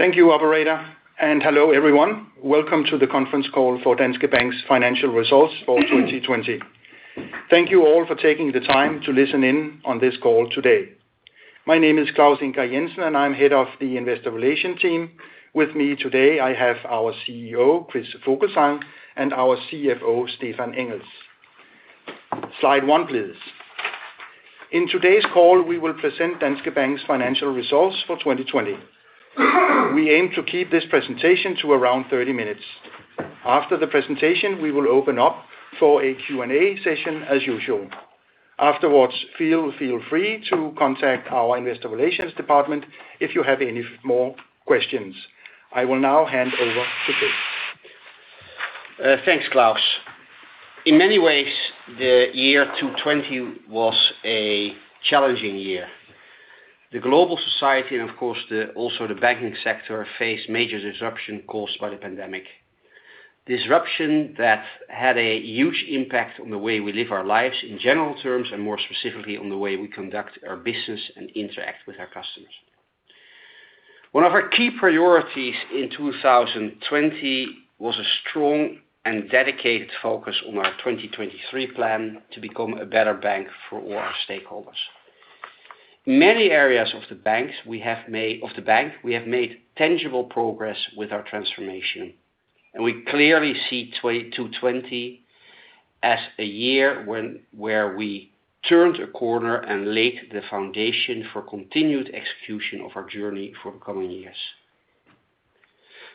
Thank you, operator. Hello everyone. Welcome to the conference call for Danske Bank's financial results for 2020. Thank you all for taking the time to listen in on this call today. My name is Claus Ingar Jensen, and I'm head of the investor relation team. With me today, I have our CEO, Chris Vogelzang, and our CFO, Stephan Engels. Slide one, please. In today's call, we will present Danske Bank's financial results for 2020. We aim to keep this presentation to around 30 minutes. After the presentation, we will open up for a Q&A session as usual. Afterwards, feel free to contact our investor relations department if you have any more questions. I will now hand over to Chris. Thanks, Claus. In many ways, the year 2020 was a challenging year. The global society, and of course, also the banking sector faced major disruption caused by the pandemic. Disruption that had a huge impact on the way we live our lives in general terms, and more specifically on the way we conduct our business and interact with our customers. One of our key priorities in 2020 was a strong and dedicated focus on our 2023 Plan to become a better bank for all our stakeholders. Many areas of the bank, we have made tangible progress with our transformation, and we clearly see 2020 as a year where we turned a corner and laid the foundation for continued execution of our journey for the coming years.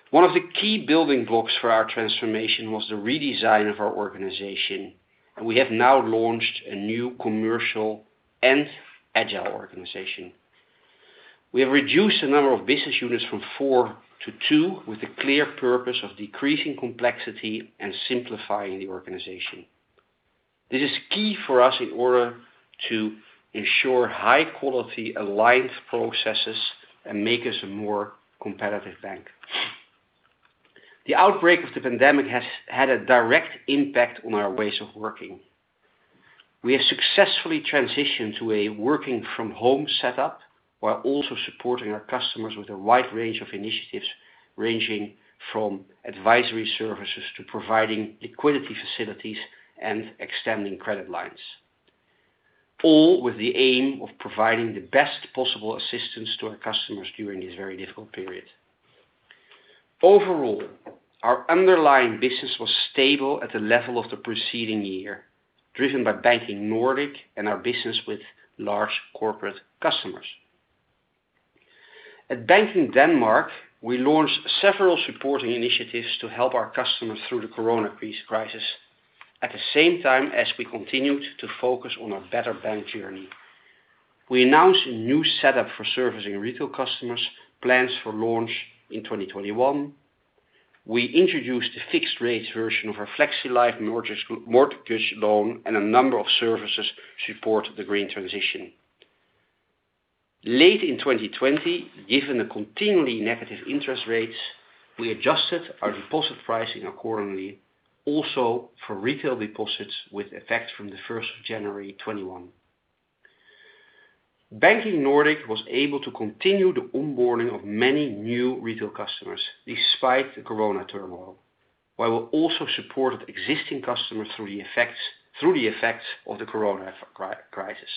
One of the key building blocks for our transformation was the redesign of our organization, and we have now launched a new commercial and agile organization. We have reduced the number of business units from four to two with the clear purpose of decreasing complexity and simplifying the organization. This is key for us in order to ensure high-quality aligned processes and make us a more competitive bank. The outbreak of the pandemic has had a direct impact on our ways of working. We have successfully transitioned to a working from home setup while also supporting our customers with a wide range of initiatives, ranging from advisory services to providing liquidity facilities and extending credit lines, all with the aim of providing the best possible assistance to our customers during this very difficult period. Overall, our underlying business was stable at the level of the preceding year, driven by Banking Nordic and our business with large corporate customers. At Banking Denmark, we launched several supporting initiatives to help our customers through the corona crisis. At the same time, as we continued to focus on our better bank journey. We announced a new setup for servicing retail customers, plans for launch in 2021. We introduced a fixed-rate version of our FlexLife mortgage loan and a number of services to support the green transition. Late in 2020, given the continually negative interest rates, we adjusted our deposit pricing accordingly, also for retail deposits with effect from the first of January 2021. Banking Nordic was able to continue the onboarding of many new retail customers despite the corona turmoil, while we also supported existing customers through the effects of the corona crisis.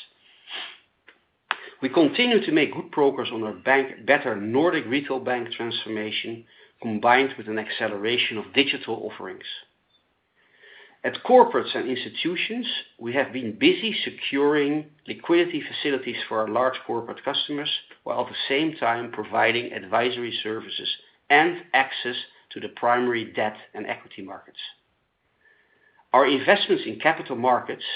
We continue to make good progress on our better Nordic retail bank transformation, combined with an acceleration of digital offerings. At Corporate and Institutions, we have been busy securing liquidity facilities for our large corporate customers, while at the same time providing advisory services and access to the primary debt and equity markets. Our investments in capital markets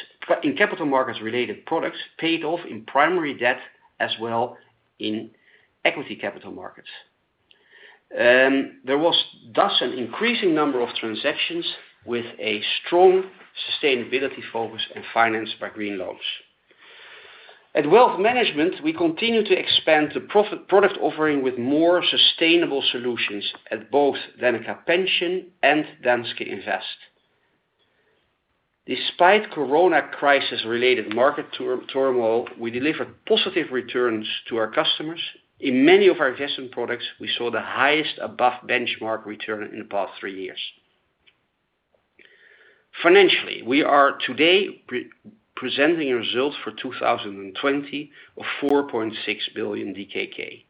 related products paid off in primary debt as well in equity capital markets. There was thus an increasing number of transactions with a strong sustainability focus and financed by green loans. At Wealth Management, we continue to expand the product offering with more sustainable solutions at both Danica Pension and Danske Invest. Despite corona crisis-related market turmoil, we delivered positive returns to our customers. In many of our investment products, we saw the highest above-benchmark return in the past three years. Financially, we are today presenting results for 2020 of 4.6 billion DKK,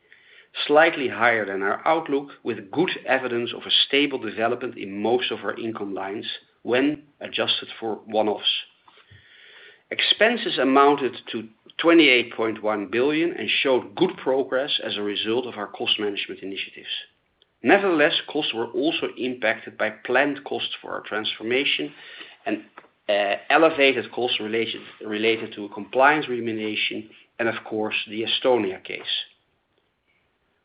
slightly higher than our outlook with good evidence of a stable development in most of our income lines when adjusted for one-offs. Expenses amounted to 28.1 billion and showed good progress as a result of our cost management initiatives. Costs were also impacted by planned costs for our transformation and elevated costs related to a compliance remediation and of course, the Estonia case.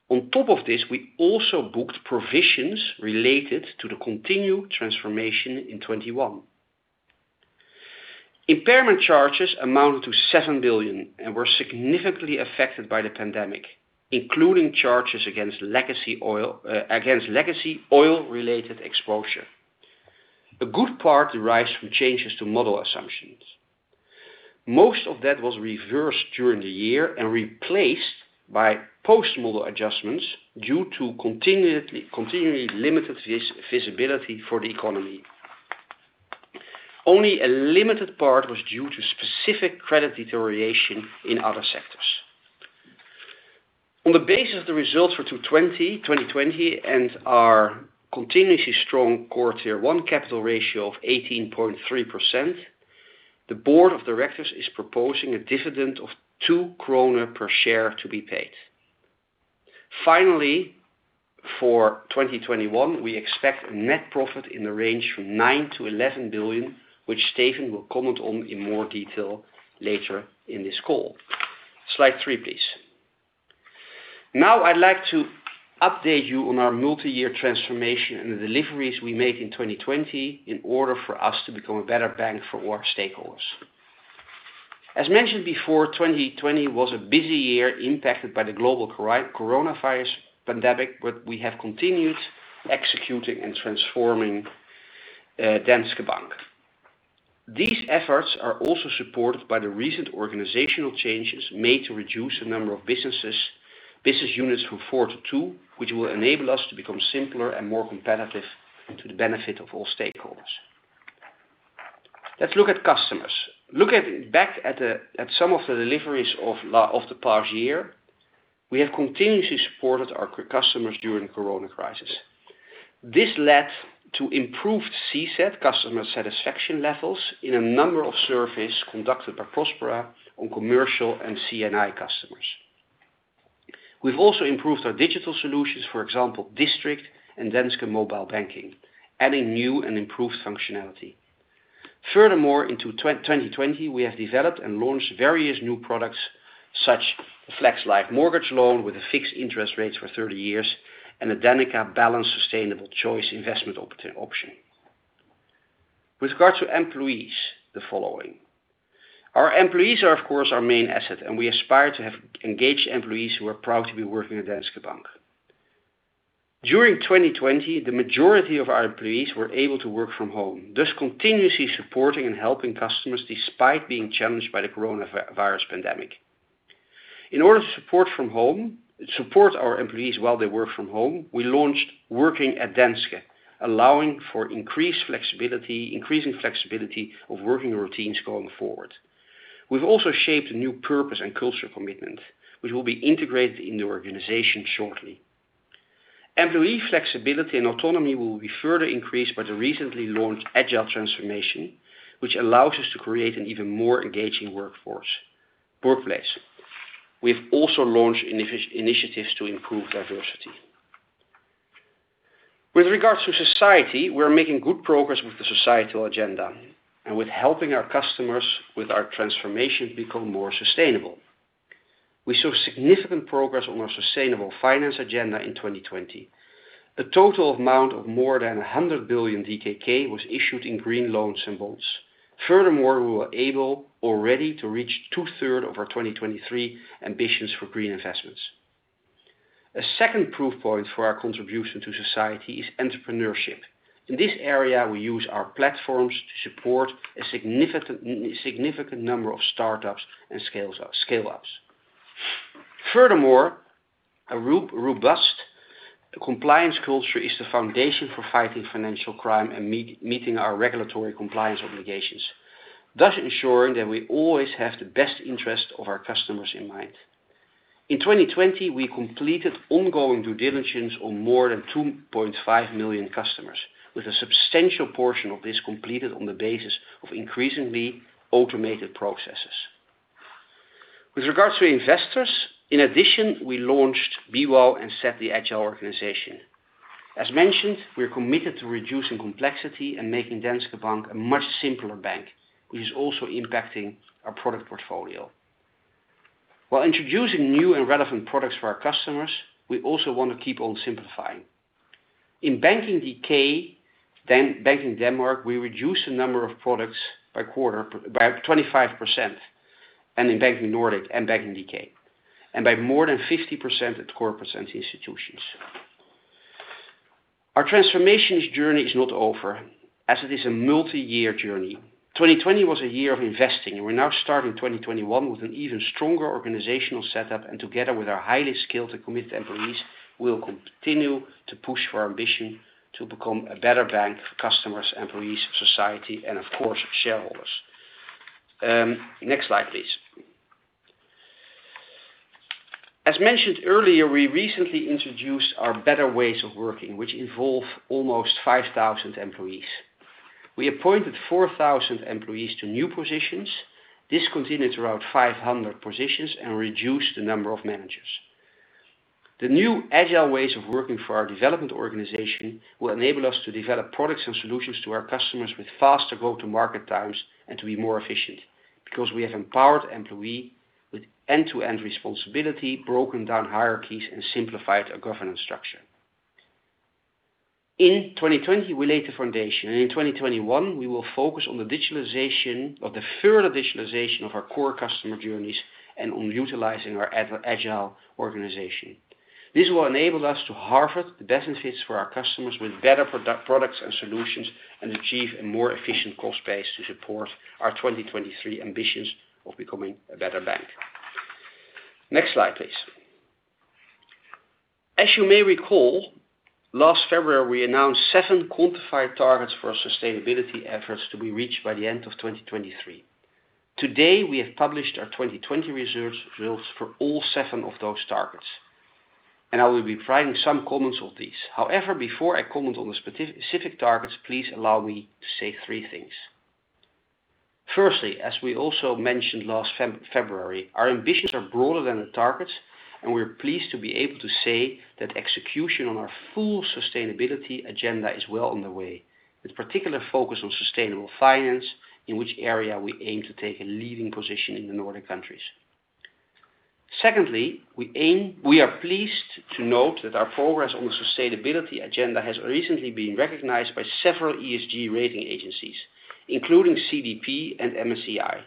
On top of this, we also booked provisions related to the continued transformation in 2021. Impairment charges amounted to 7 billion and were significantly affected by the pandemic, including charges against legacy oil-related exposure. A good part derives from changes to model assumptions. Most of that was reversed during the year and replaced by post-model adjustments due to continually limited visibility for the economy. Only a limited part was due to specific credit deterioration in other sectors. On the basis of the results for 2020 and our continuously strong Core Tier 1 capital ratio of 18.3%, the board of directors is proposing a dividend of 2 kroner per share to be paid. Finally, for 2021, we expect a net profit in the range from 9 billion-11 billion, which Stephan will comment on in more detail later in this call. Slide three, please. Now I'd like to update you on our multi-year transformation and the deliveries we made in 2020 in order for us to become a better bank for our stakeholders. As mentioned before, 2020 was a busy year impacted by the global coronavirus pandemic, but we have continued executing and transforming Danske Bank. These efforts are also supported by the recent organizational changes made to reduce the number of business units from 4 to 2, which will enable us to become simpler and more competitive to the benefit of all stakeholders. Let's look at customers. Looking back at some of the deliveries of the past year, we have continuously supported our customers during the corona crisis. This led to improved CSAT, customer satisfaction levels, in a number of surveys conducted by Prospera on commercial and C&I customers. We've also improved our digital solutions, for example, District and Danske Mobile Banking, adding new and improved functionality. Furthermore, into 2020, we have developed and launched various new products, such FlexLife mortgage loan with fixed interest rates for 30 years and a Danica Balance Sustainable Choice investment option. With regard to employees, the following. Our employees are, of course, our main asset, and we aspire to have engaged employees who are proud to be working at Danske Bank. During 2020, the majority of our employees were able to work from home, thus continuously supporting and helping customers despite being challenged by the coronavirus pandemic. In order to support our employees while they work from home, we launched Working at Danske, allowing for increasing flexibility of working routines going forward. We've also shaped a new purpose and cultural commitment, which will be integrated into the organization shortly. Employee flexibility and autonomy will be further increased by the recently launched agile transformation, which allows us to create an even more engaging workplace. We have also launched initiatives to improve diversity. With regards to society, we are making good progress with the societal agenda and with helping our customers with our transformation to become more sustainable. We saw significant progress on our sustainable finance agenda in 2020. A total amount of more than 100 billion DKK was issued in green loans and bonds. Furthermore, we were able already to reach two-third of our 2023 ambitions for green investments. A second proof point for our contribution to society is entrepreneurship. In this area, we use our platforms to support a significant number of startups and scale-ups. Furthermore, a robust compliance culture is the foundation for fighting financial crime and meeting our regulatory compliance obligations, thus ensuring that we always have the best interest of our customers in mind. In 2020, we completed ongoing due diligence on more than 2.5 million customers, with a substantial portion of this completed on the basis of increasingly automated processes. With regards to investors, in addition, we launched be well and set the agile organization. As mentioned, we are committed to reducing complexity and making Danske Bank a much simpler bank, which is also impacting our product portfolio. While introducing new and relevant products for our customers, we also want to keep on simplifying. In Banking Denmark, we reduced the number of products by 25%, and in Banking Nordic and Banking DK, and by more than 50% at Corporate and Institutions. Our transformation journey is not over, as it is a multi-year journey. 2020 was a year of investing, and we're now starting 2021 with an even stronger organizational setup and together with our highly skilled and committed employees, we'll continue to push for our ambition to become a better bank for customers, employees, society, and of course, shareholders. Next slide, please. As mentioned earlier, we recently introduced our better ways of working, which involve almost 5,000 employees. We appointed 4,000 employees to new positions, discontinued 500 positions, and reduced the number of managers. The new agile ways of working for our development organization will enable us to develop products and solutions to our customers with faster go-to-market times and to be more efficient because we have empowered employee with end-to-end responsibility, broken down hierarchies, and simplified our governance structure. In 2020, we laid the foundation, and in 2021, we will focus on the further digitalization of our core customer journeys and on utilizing our agile organization. This will enable us to harvest the benefits for our customers with better products and solutions and achieve a more efficient cost base to support our 2023 ambitions of becoming a better bank. Next slide, please. As you may recall, last February, we announced seven quantified targets for our sustainability efforts to be reached by the end of 2023. Today, we have published our 2020 results for all seven of those targets, and I will be providing some comments on these. However, before I comment on the specific targets, please allow me to say three things. Firstly, as we also mentioned last February, our ambitions are broader than the targets, and we're pleased to be able to say that execution on our full sustainability agenda is well underway. With particular focus on sustainable finance, in which area we aim to take a leading position in the Nordic countries. Secondly, we are pleased to note that our progress on the sustainability agenda has recently been recognized by several ESG rating agencies, including CDP and MSCI.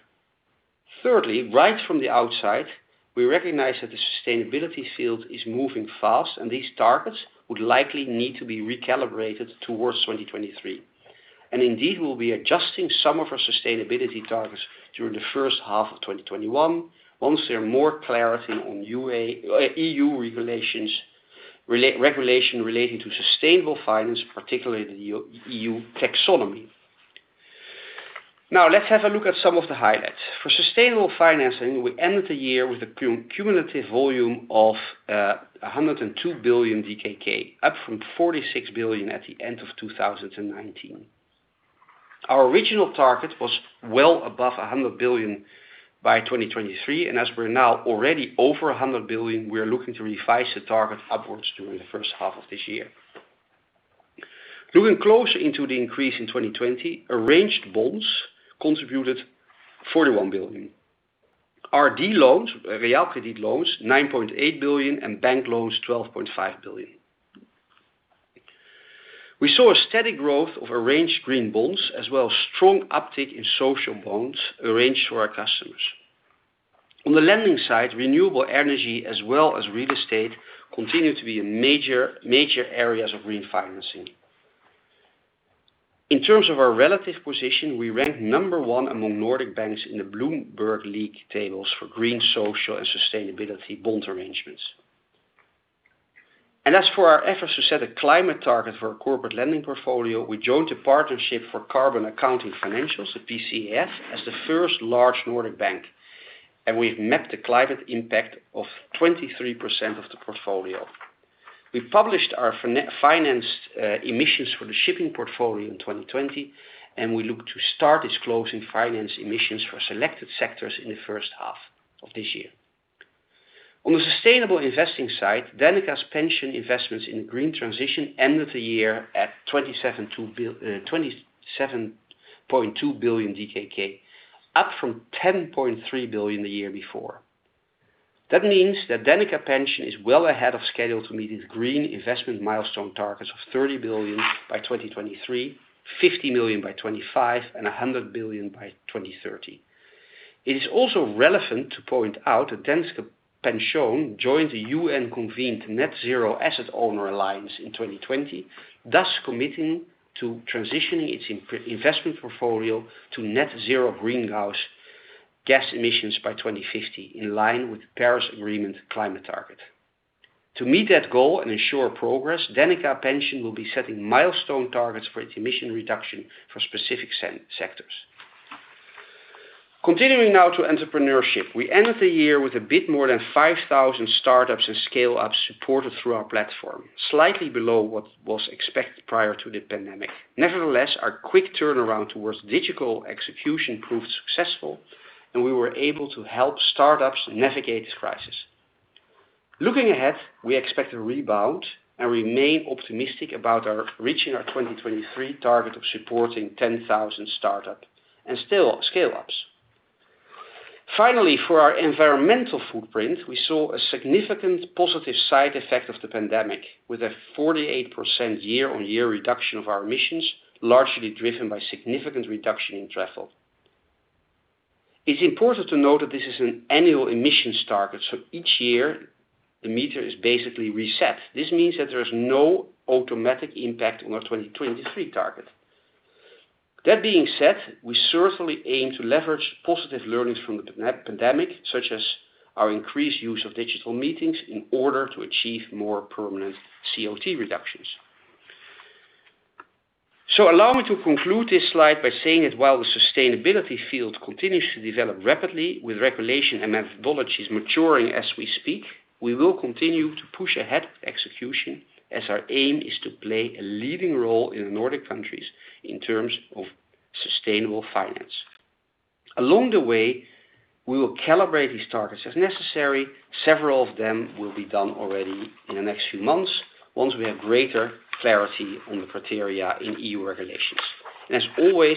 Thirdly, right from the outset, we recognize that the sustainability field is moving fast, and these targets would likely need to be recalibrated towards 2023. Indeed, we'll be adjusting some of our sustainability targets during the first half of 2021 once there are more clarity on E.U. regulation relating to sustainable finance, particularly the E.U. taxonomy. Let's have a look at some of the highlights. For sustainable financing, we ended the year with a cumulative volume of 102 billion DKK, up from 46 billion at the end of 2019. Our original target was well above 100 billion by 2023, and as we're now already over 100 billion, we are looking to revise the target upwards during the first half of this year. Looking closer into the increase in 2020, arranged bonds contributed 41 billion. RD loans, Realkredit loans, 9.8 billion, and bank loans 12.5 billion. We saw a steady growth of arranged green bonds as well as strong uptick in social bonds arranged through our customers. On the lending side, renewable energy as well as real estate continue to be major areas of green financing. In terms of our relative position, we ranked number 1 among Nordic banks in the Bloomberg league tables for green, social, and sustainability bond arrangements. As for our efforts to set a climate target for our corporate lending portfolio, we joined a Partnership for Carbon Accounting Financials, the PCAF, as the first large Nordic bank, and we've mapped the climate impact of 23% of the portfolio. We published our financed emissions for the shipping portfolio in 2020, and we look to start disclosing financed emissions for selected sectors in the first half of this year. On the sustainable investing side, Danica's Pension investments in green transition ended the year at 27.2 billion DKK, up from 10.3 billion DKK the year before. That means that Danica Pension is well ahead of schedule to meet its green investment milestone targets of 30 billion by 2023, 50 million by 2025, and 100 billion by 2030. It is also relevant to point out that Danica Pension joined the UN-convened Net-Zero Asset Owner Alliance in 2020, thus committing to transitioning its investment portfolio to net zero greenhouse gas emissions by 2050, in line with the Paris Agreement climate target. To meet that goal and ensure progress, Danica Pension will be setting milestone targets for its emission reduction for specific sectors. Continuing now to entrepreneurship. We ended the year with a bit more than 5,000 startups and scale-ups supported through our platform, slightly below what was expected prior to the pandemic. Nevertheless, our quick turnaround towards digital execution proved successful, and we were able to help startups navigate this crisis. Looking ahead, we expect a rebound and remain optimistic about reaching our 2023 target of supporting 10,000 startup and scale-ups. Finally, for our environmental footprint, we saw a significant positive side effect of the pandemic with a 48% year-on-year reduction of our emissions, largely driven by significant reduction in travel. It's important to note that this is an annual emissions target, so each year the meter is basically reset. This means that there is no automatic impact on our 2023 target. That being said, we certainly aim to leverage positive learnings from the pandemic, such as our increased use of digital meetings in order to achieve more permanent CO2 reductions. Allow me to conclude this slide by saying that while the sustainability field continues to develop rapidly with regulation and methodologies maturing as we speak, we will continue to push ahead with execution as our aim is to play a leading role in the Nordic countries in terms of sustainable finance. Along the way, we will calibrate these targets as necessary. Several of them will be done already in the next few months once we have greater clarity on the criteria in EU regulations. As always,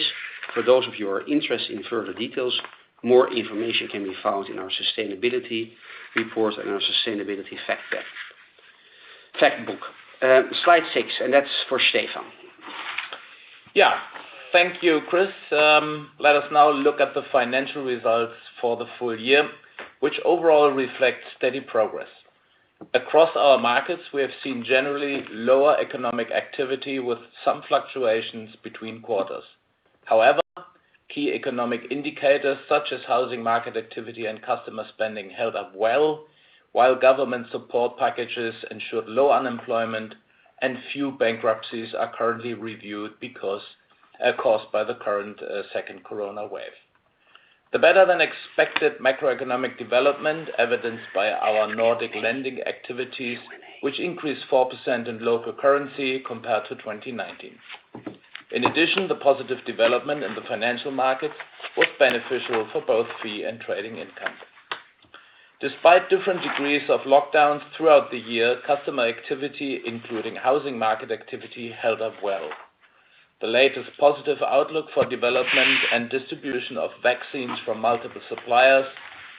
for those of you who are interested in further details, more information can be found in our sustainability report and our sustainability fact book. Slide six, and that's for Stephan. Thank you, Chris. Let us now look at the financial results for the full year, which overall reflect steady progress. Across our markets, we have seen generally lower economic activity with some fluctuations between quarters. However Key economic indicators such as housing market activity and customer spending held up well, while government support packages ensured low unemployment and few bankruptcies are currently reviewed because caused by the current second Corona wave. The better-than-expected macroeconomic development evidenced by our Nordic lending activities, which increased 4% in local currency compared to 2019. In addition, the positive development in the financial markets was beneficial for both fee and trading income. Despite different degrees of lockdowns throughout the year, customer activity, including housing market activity, held up well. The latest positive outlook for development and distribution of vaccines from multiple suppliers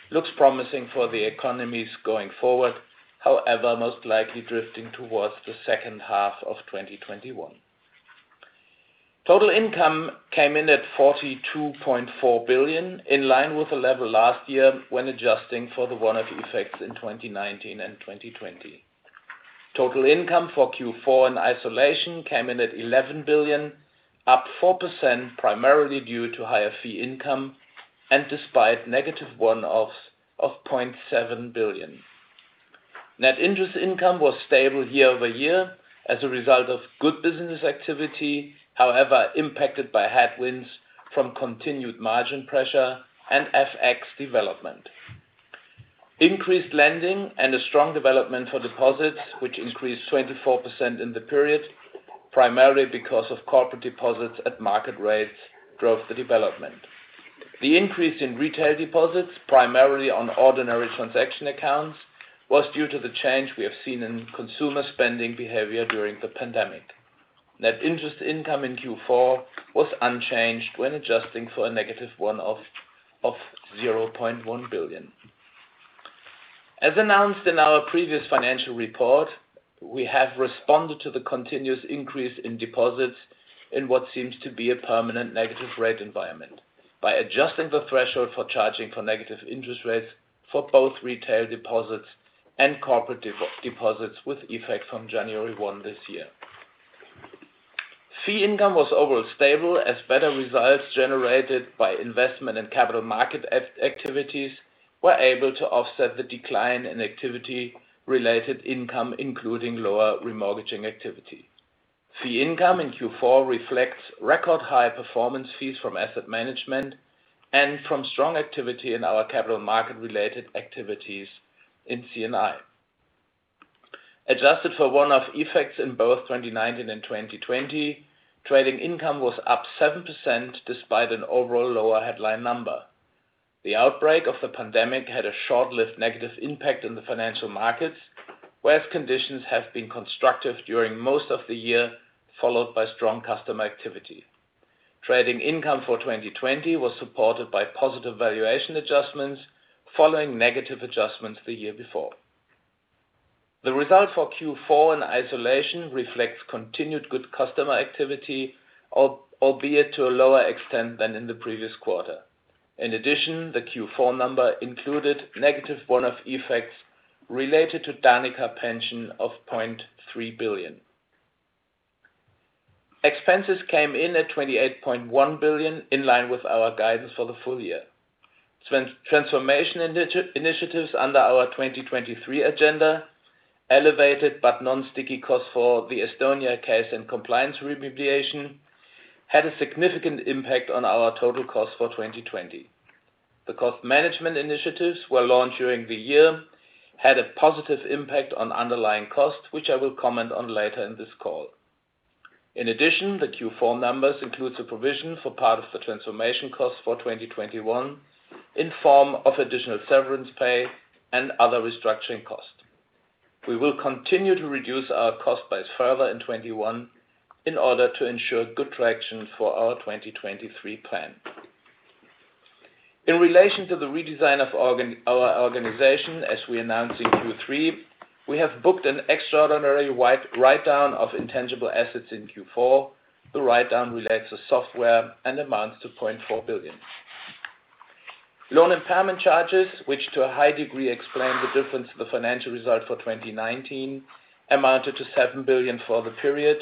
looks promising for the economies going forward, however, most likely drifting towards the second half of 2021. Total income came in at 42.4 billion, in line with the level last year when adjusting for the one-off effects in 2019 and 2020. Total income for Q4 in isolation came in at 11 billion, up 4% primarily due to higher fee income and despite negative one-offs of 0.7 billion. Net interest income was stable year-over-year as a result of good business activity, however, impacted by headwinds from continued margin pressure and FX development. Increased lending and a strong development for deposits, which increased 24% in the period, primarily because of corporate deposits at market rates drove the development. The increase in retail deposits, primarily on ordinary transaction accounts, was due to the change we have seen in consumer spending behavior during the pandemic. Net interest income in Q4 was unchanged when adjusting for a negative one-off of 0.1 billion. As announced in our previous financial report, we have responded to the continuous increase in deposits in what seems to be a permanent negative rate environment by adjusting the threshold for charging for negative interest rates for both retail deposits and corporate deposits with effect from January 1 this year. Fee income was overall stable as better results generated by investment and capital market activities were able to offset the decline in activity-related income, including lower remortgaging activity. Fee income in Q4 reflects record-high performance fees from Asset Management and from strong activity in our capital market-related activities in C&I. Adjusted for one-off effects in both 2019 and 2020, trading income was up 7% despite an overall lower headline number. The outbreak of the pandemic had a short-lived negative impact on the financial markets, whereas conditions have been constructive during most of the year, followed by strong customer activity. Trading income for 2020 was supported by positive valuation adjustments following negative adjustments the year before. The result for Q4 in isolation reflects continued good customer activity, albeit to a lower extent than in the previous quarter. In addition, the Q4 number included negative one-off effects related to Danica Pension of 0.3 billion. Expenses came in at 28.1 billion, in line with our guidance for the full year. Transformation initiatives under our 2023 agenda elevated but non-sticky costs for the Estonia case and compliance charges had a significant impact on our total cost for 2020. The cost management initiatives were launched during the year had a positive impact on underlying costs, which I will comment on later in this call. In addition, the Q4 numbers include supervision for part of the transformation cost for 2021 in form of additional severance pay and other restructuring costs. We will continue to reduce our cost base further in 2021 in order to ensure good traction for our 2023 plan. In relation to the redesign of our organization as we announced in Q3, we have booked an extraordinary writedown of intangible assets in Q4. The writedown relates to software and amounts to 0.4 billion. Loan impairment charges, which to a high degree explain the difference in the financial result for 2019, amounted to 7 billion for the period,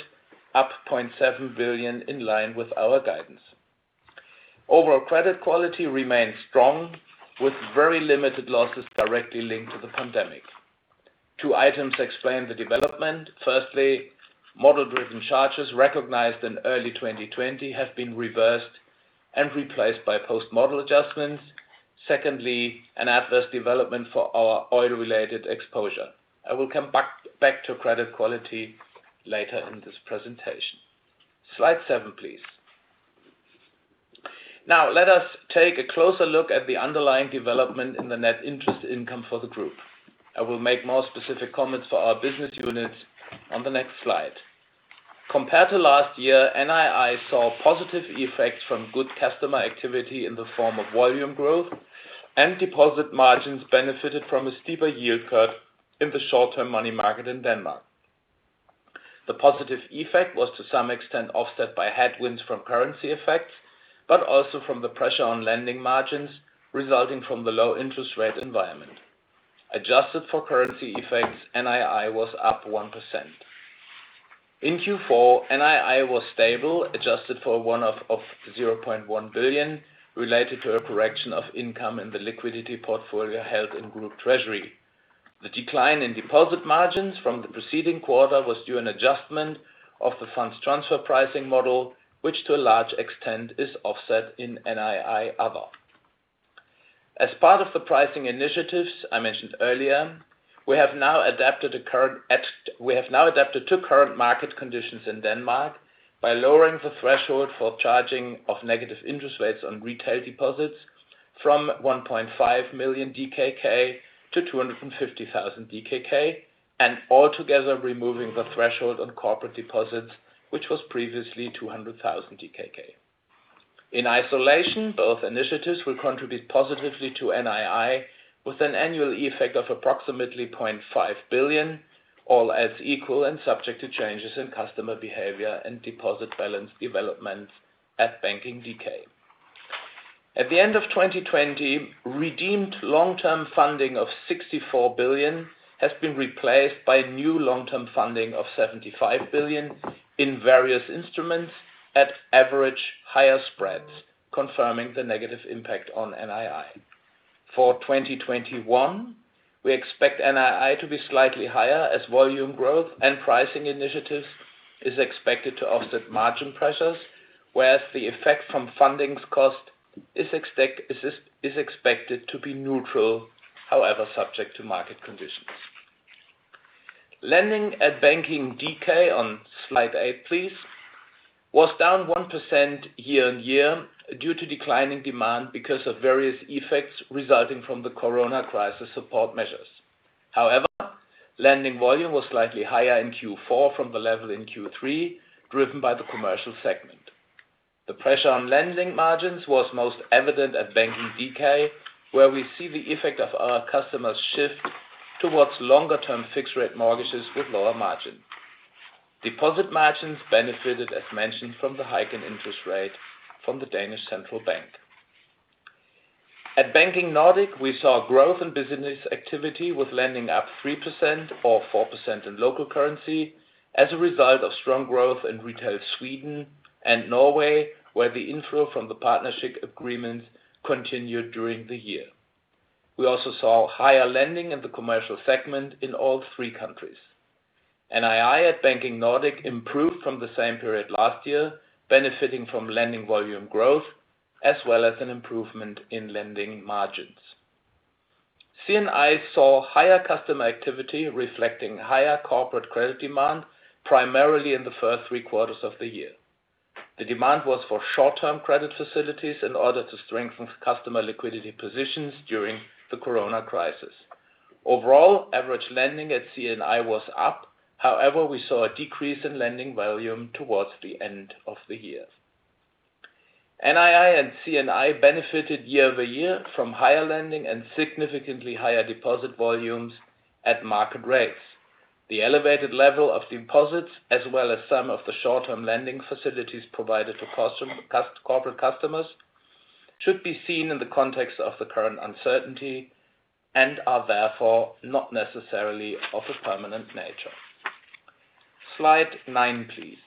up 0.7 billion in line with our guidance. Overall credit quality remains strong, with very limited losses directly linked to the pandemic. Two items explain the development. Firstly, model-driven charges recognized in early 2020 have been reversed and replaced by post-model adjustments. Secondly, an adverse development for our oil-related exposure. I will come back to credit quality later in this presentation. Slide seven, please. Now, let us take a closer look at the underlying development in the net interest income for the group. I will make more specific comments for our business units on the next slide. Compared to last year, NII saw positive effects from good customer activity in the form of volume growth, and deposit margins benefited from a steeper yield curve in the short-term money market in Denmark. The positive effect was to some extent offset by headwinds from currency effects, but also from the pressure on lending margins resulting from the low interest rate environment. Adjusted for currency effects, NII was up 1%. In Q4, NII was stable, adjusted for a one-off of 0.1 billion related to a correction of income in the liquidity portfolio held in group treasury. The decline in deposit margins from the preceding quarter was due an adjustment of the funds transfer pricing model, which to a large extent is offset in NII other. As part of the pricing initiatives I mentioned earlier, we have now adapted to current market conditions in Denmark by lowering the threshold for charging of negative interest rates on retail deposits from 1.5 million DKK to 250,000 DKK, and altogether removing the threshold on corporate deposits, which was previously 200,000 DKK. In isolation, both initiatives will contribute positively to NII with an annual effect of approximately 0.5 billion, all else equal and subject to changes in customer behavior and deposit balance developments at Banking DK. At the end of 2020, redeemed long-term funding of 64 billion has been replaced by new long-term funding of 75 billion in various instruments at average higher spreads, confirming the negative impact on NII. For 2021, we expect NII to be slightly higher as volume growth and pricing initiatives is expected to offset margin pressures, whereas the effect from fundings cost is expected to be neutral, however, subject to market conditions. Lending at Banking DK, on slide eight please, was down 1% year-on-year due to declining demand because of various effects resulting from the corona crisis support measures. Lending volume was slightly higher in Q4 from the level in Q3, driven by the commercial segment. The pressure on lending margins was most evident at Banking DK, where we see the effect of our customers shift towards longer-term fixed rate mortgages with lower margin. Deposit margins benefited, as mentioned, from the hike in interest rate from Danmarks Nationalbank. At Banking Nordic, we saw growth in business activity with lending up 3% or 4% in local currency as a result of strong growth in retail Sweden and Norway, where the inflow from the partnership agreement continued during the year. We also saw higher lending in the commercial segment in all three countries. NII at Banking Nordic improved from the same period last year, benefiting from lending volume growth, as well as an improvement in lending margins. C&I saw higher customer activity reflecting higher corporate credit demand, primarily in the first three quarters of the year. The demand was for short-term credit facilities in order to strengthen customer liquidity positions during the corona crisis. Overall, average lending at C&I was up. However, we saw a decrease in lending volume towards the end of the year. NII and C&I benefited year-over-year from higher lending and significantly higher deposit volumes at market rates. The elevated level of deposits, as well as some of the short-term lending facilities provided to corporate customers, should be seen in the context of the current uncertainty and are therefore not necessarily of a permanent nature. Slide nine, please.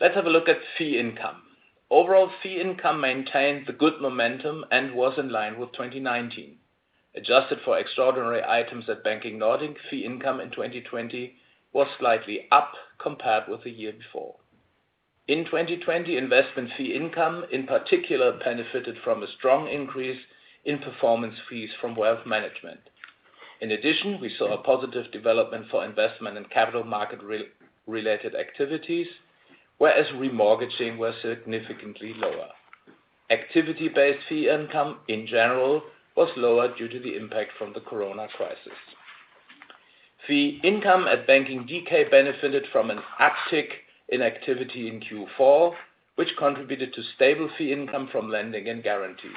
Let's have a look at fee income. Overall, fee income maintained the good momentum and was in line with 2019. Adjusted for extraordinary items at Banking Nordic, fee income in 2020 was slightly up compared with the year before. In 2020, investment fee income in particular benefited from a strong increase in performance fees from Wealth Management. In addition, we saw a positive development for investment and capital market-related activities, whereas remortgaging was significantly lower. Activity-based fee income, in general, was lower due to the impact from the corona crisis. Fee income at Banking DK benefited from an uptick in activity in Q4, which contributed to stable fee income from lending and guarantees.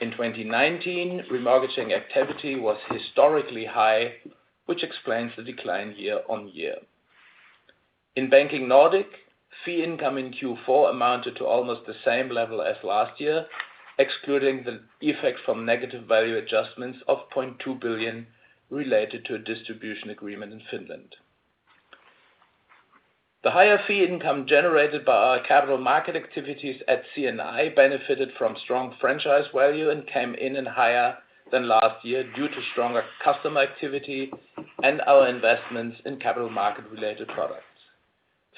In 2019, remortgaging activity was historically high, which explains the decline year-on-year. In Banking Nordic, fee income in Q4 amounted to almost the same level as last year, excluding the effect from negative value adjustments of 0.2 billion related to a distribution agreement in Finland. The higher fee income generated by our capital market activities at C&I benefited from strong franchise value and came in higher than last year due to stronger customer activity and our investments in capital market-related products.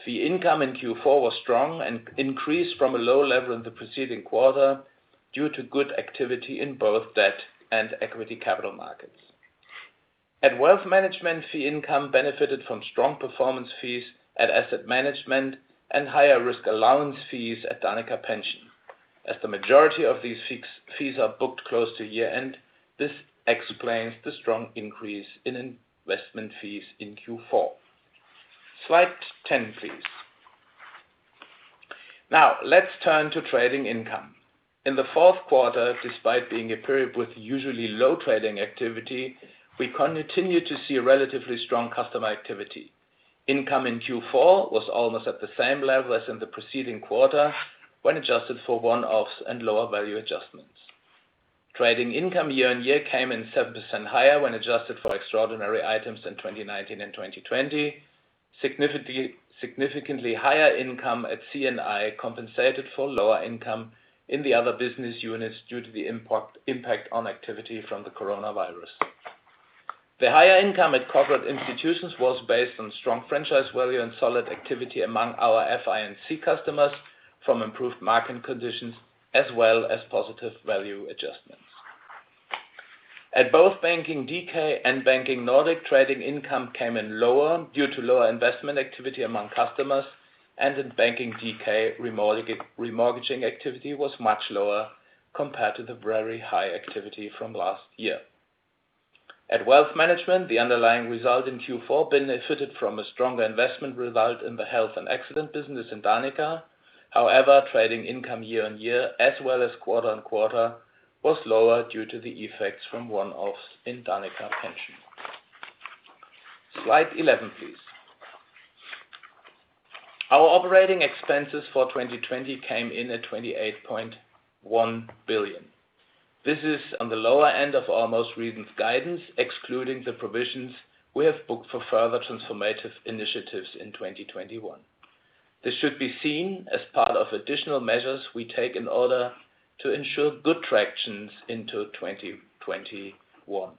Fee income in Q4 was strong and increased from a low level in the preceding quarter due to good activity in both debt and equity capital markets. At Wealth Management, fee income benefited from strong performance fees at Asset Management and higher risk allowance fees at Danica Pension. As the majority of these fees are booked close to year-end, this explains the strong increase in investment fees in Q4. Slide 10, please. Now, let's turn to trading income. In the fourth quarter, despite being a period with usually low trading activity, we continued to see relatively strong customer activity. Income in Q4 was almost at the same level as in the preceding quarter when adjusted for one-offs and lower value adjustments. Trading income year-on-year came in 7% higher when adjusted for extraordinary items in 2019 and 2020. Significantly higher income at C&I compensated for lower income in the other business units due to the impact on activity from the coronavirus. The higher income at Corporate Institutions was based on strong franchise value and solid activity among our FI&C customers from improved market conditions, as well as positive value adjustments. At both Banking DK and Banking Nordic, trading income came in lower due to lower investment activity among customers, and in Banking DK, remortgaging activity was much lower compared to the very high activity from last year. At Wealth Management, the underlying result in Q4 benefited from a stronger investment result in the health and accident business in Danica. However, trading income year-on-year as well as quarter-on-quarter was lower due to the effects from one-offs in Danica Pension. Slide 11, please. Our operating expenses for 2020 came in at 28.1 billion. This is on the lower end of our most recent guidance, excluding the provisions we have booked for further transformative initiatives in 2021. This should be seen as part of additional measures we take in order to ensure good tractions into 2021.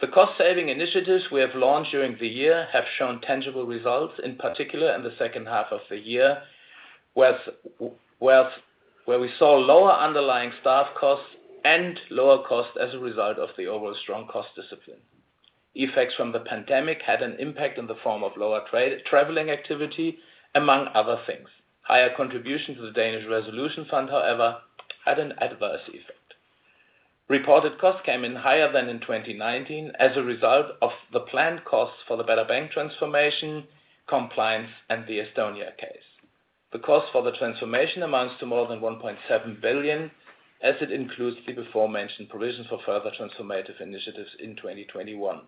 The cost-saving initiatives we have launched during the year have shown tangible results, in particular in the second half of the year, where we saw lower underlying staff costs and lower costs as a result of the overall strong cost discipline. Effects from the pandemic had an impact in the form of lower traveling activity, among other things. Higher contribution to the Danish Resolution Fund, however, had an adverse effect. Reported costs came in higher than in 2019 as a result of the planned costs for the Better Bank transformation, compliance, and the Estonia case. The cost for the transformation amounts to more than 1.7 billion, as it includes the before-mentioned provision for further transformative initiatives in 2021.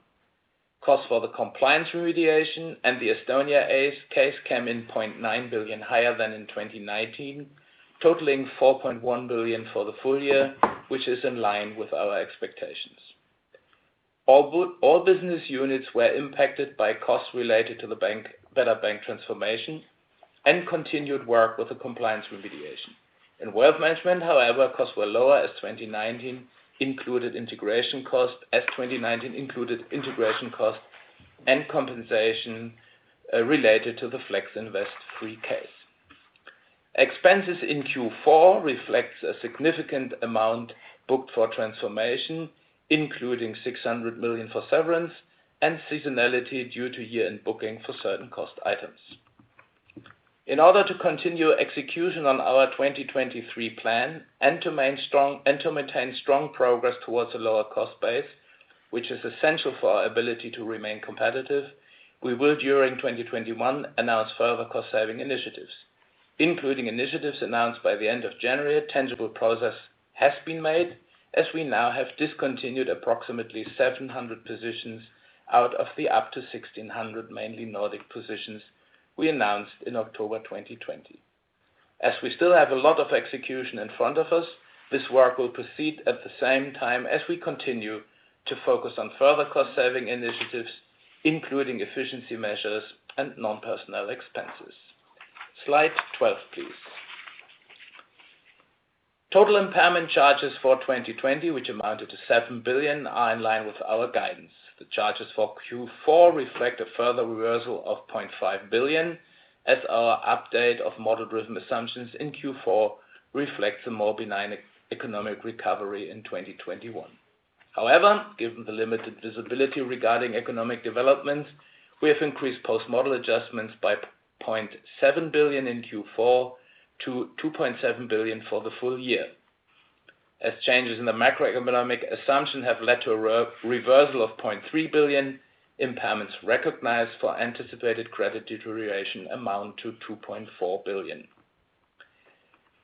Costs for the compliance remediation and the Estonia case came in 0.9 billion higher than in 2019, totaling 4.1 billion for the full year, which is in line with our expectations. All business units were impacted by costs related to the Better Bank transformation and continued work with the compliance remediation. In Wealth Management, however, costs were lower as 2019 included integration costs and compensation related to the Flexinvest Fri case. Expenses in Q4 reflects a significant amount booked for transformation, including 600 million for severance and seasonality due to year-end booking for certain cost items. In order to continue execution on our 2023 plan and to maintain strong progress towards a lower cost base, which is essential for our ability to remain competitive, we will, during 2021, announce further cost-saving initiatives, including initiatives announced by the end of January. A tangible progress has been made, as we now have discontinued approximately 700 positions out of the up to 1,600 mainly Nordic positions we announced in October 2020. As we still have a lot of execution in front of us, this work will proceed at the same time as we continue to focus on further cost-saving initiatives, including efficiency measures and non-personnel expenses. Slide 12, please. Total impairment charges for 2020, which amounted to 7 billion, are in line with our guidance. The charges for Q4 reflect a further reversal of 0.5 billion, as our update of model-driven assumptions in Q4 reflects a more benign economic recovery in 2021. Given the limited visibility regarding economic developments, we have increased post-model adjustments by 0.7 billion in Q4 to 2.7 billion for the full year. As changes in the macroeconomic assumption have led to a reversal of 0.3 billion, impairments recognized for anticipated credit deterioration amount to 2.4 billion.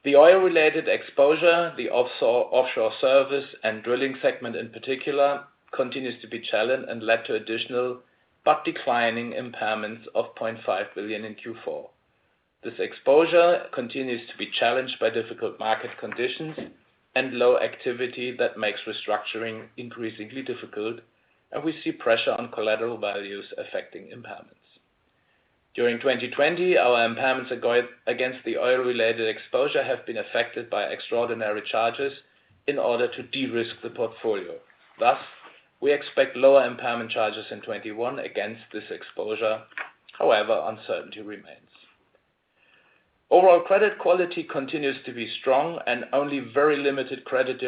The oil-related exposure, the offshore service, and drilling segment in particular, continues to be challenged and led to additional but declining impairments of 0.5 billion in Q4. This exposure continues to be challenged by difficult market conditions and low activity that makes restructuring increasingly difficult, and we see pressure on collateral values affecting impairments. During 2020, our impairments against the oil-related exposure have been affected by extraordinary charges in order to de-risk the portfolio. Thus, we expect lower impairment charges in 2021 against this exposure. However, uncertainty remains. Overall credit quality continues to be strong and only very limited credit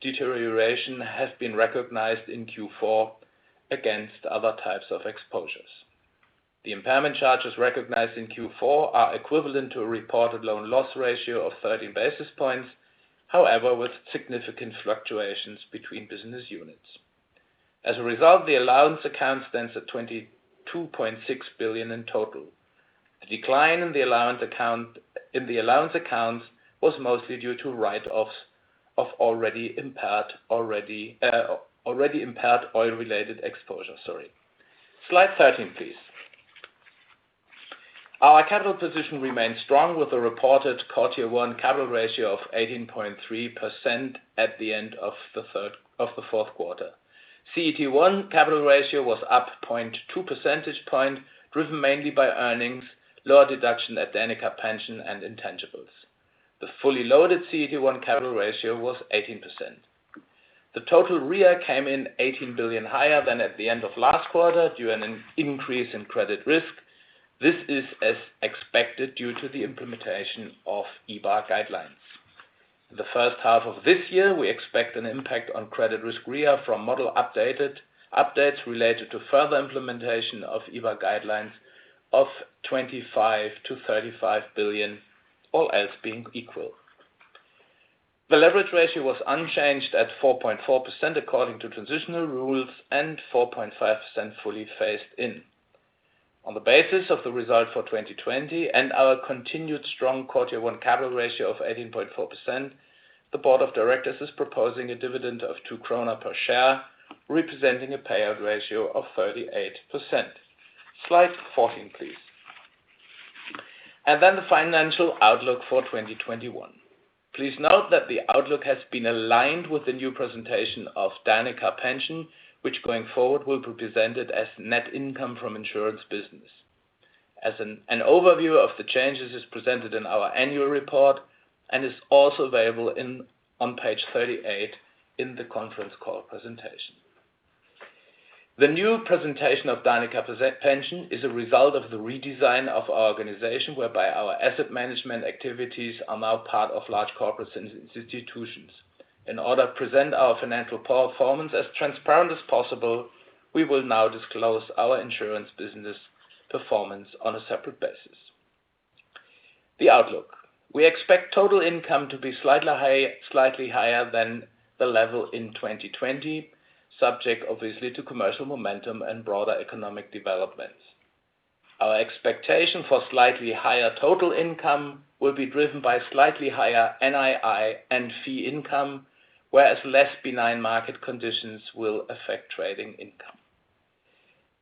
deterioration has been recognized in Q4 against other types of exposures. The impairment charges recognized in Q4 are equivalent to a reported loan loss ratio of 30 basis points, however, with significant fluctuations between business units. As a result, the allowance account stands at 22.6 billion in total. The decline in the allowance accounts was mostly due to write-offs of already impaired oil-related exposure. Sorry. Slide 13, please. Our capital position remains strong with a reported Core Tier 1 capital ratio of 18.3% at the end of the fourth quarter. CET1 capital ratio was up 0.2 percentage point, driven mainly by earnings, lower deduction at Danica Pension and intangibles. The fully loaded CET1 capital ratio was 18%. The total RWA came in 18 billion higher than at the end of last quarter due to an increase in credit risk. This is as expected due to the implementation of EBA guidelines. The first half of this year, we expect an impact on credit risk RWA from model updates related to further implementation of EBA guidelines of 25 billion-35 billion, all else being equal. The leverage ratio was unchanged at 4.4%, according to transitional rules, and 4.5% fully phased in. On the basis of the result for 2020 and our continued strong Core Tier 1 capital ratio of 18.4%, the board of directors is proposing a dividend of 2 krone per share, representing a payout ratio of 38%. Slide 14, please. The financial outlook for 2021. Please note that the outlook has been aligned with the new presentation of Danica Pension, which going forward will be presented as net income from insurance business. As an overview of the changes is presented in our annual report and is also available on page 38 in the conference call presentation. The new presentation of Danica Pension is a result of the redesign of our organization, whereby our Asset Management activities are now part of large Corporate Institutions. In order to present our financial performance as transparent as possible, we will now disclose our insurance business performance on a separate basis. The outlook. We expect total income to be slightly higher than the level in 2020, subject obviously to commercial momentum and broader economic developments. Our expectation for slightly higher total income will be driven by slightly higher NII and fee income, whereas less benign market conditions will affect trading income.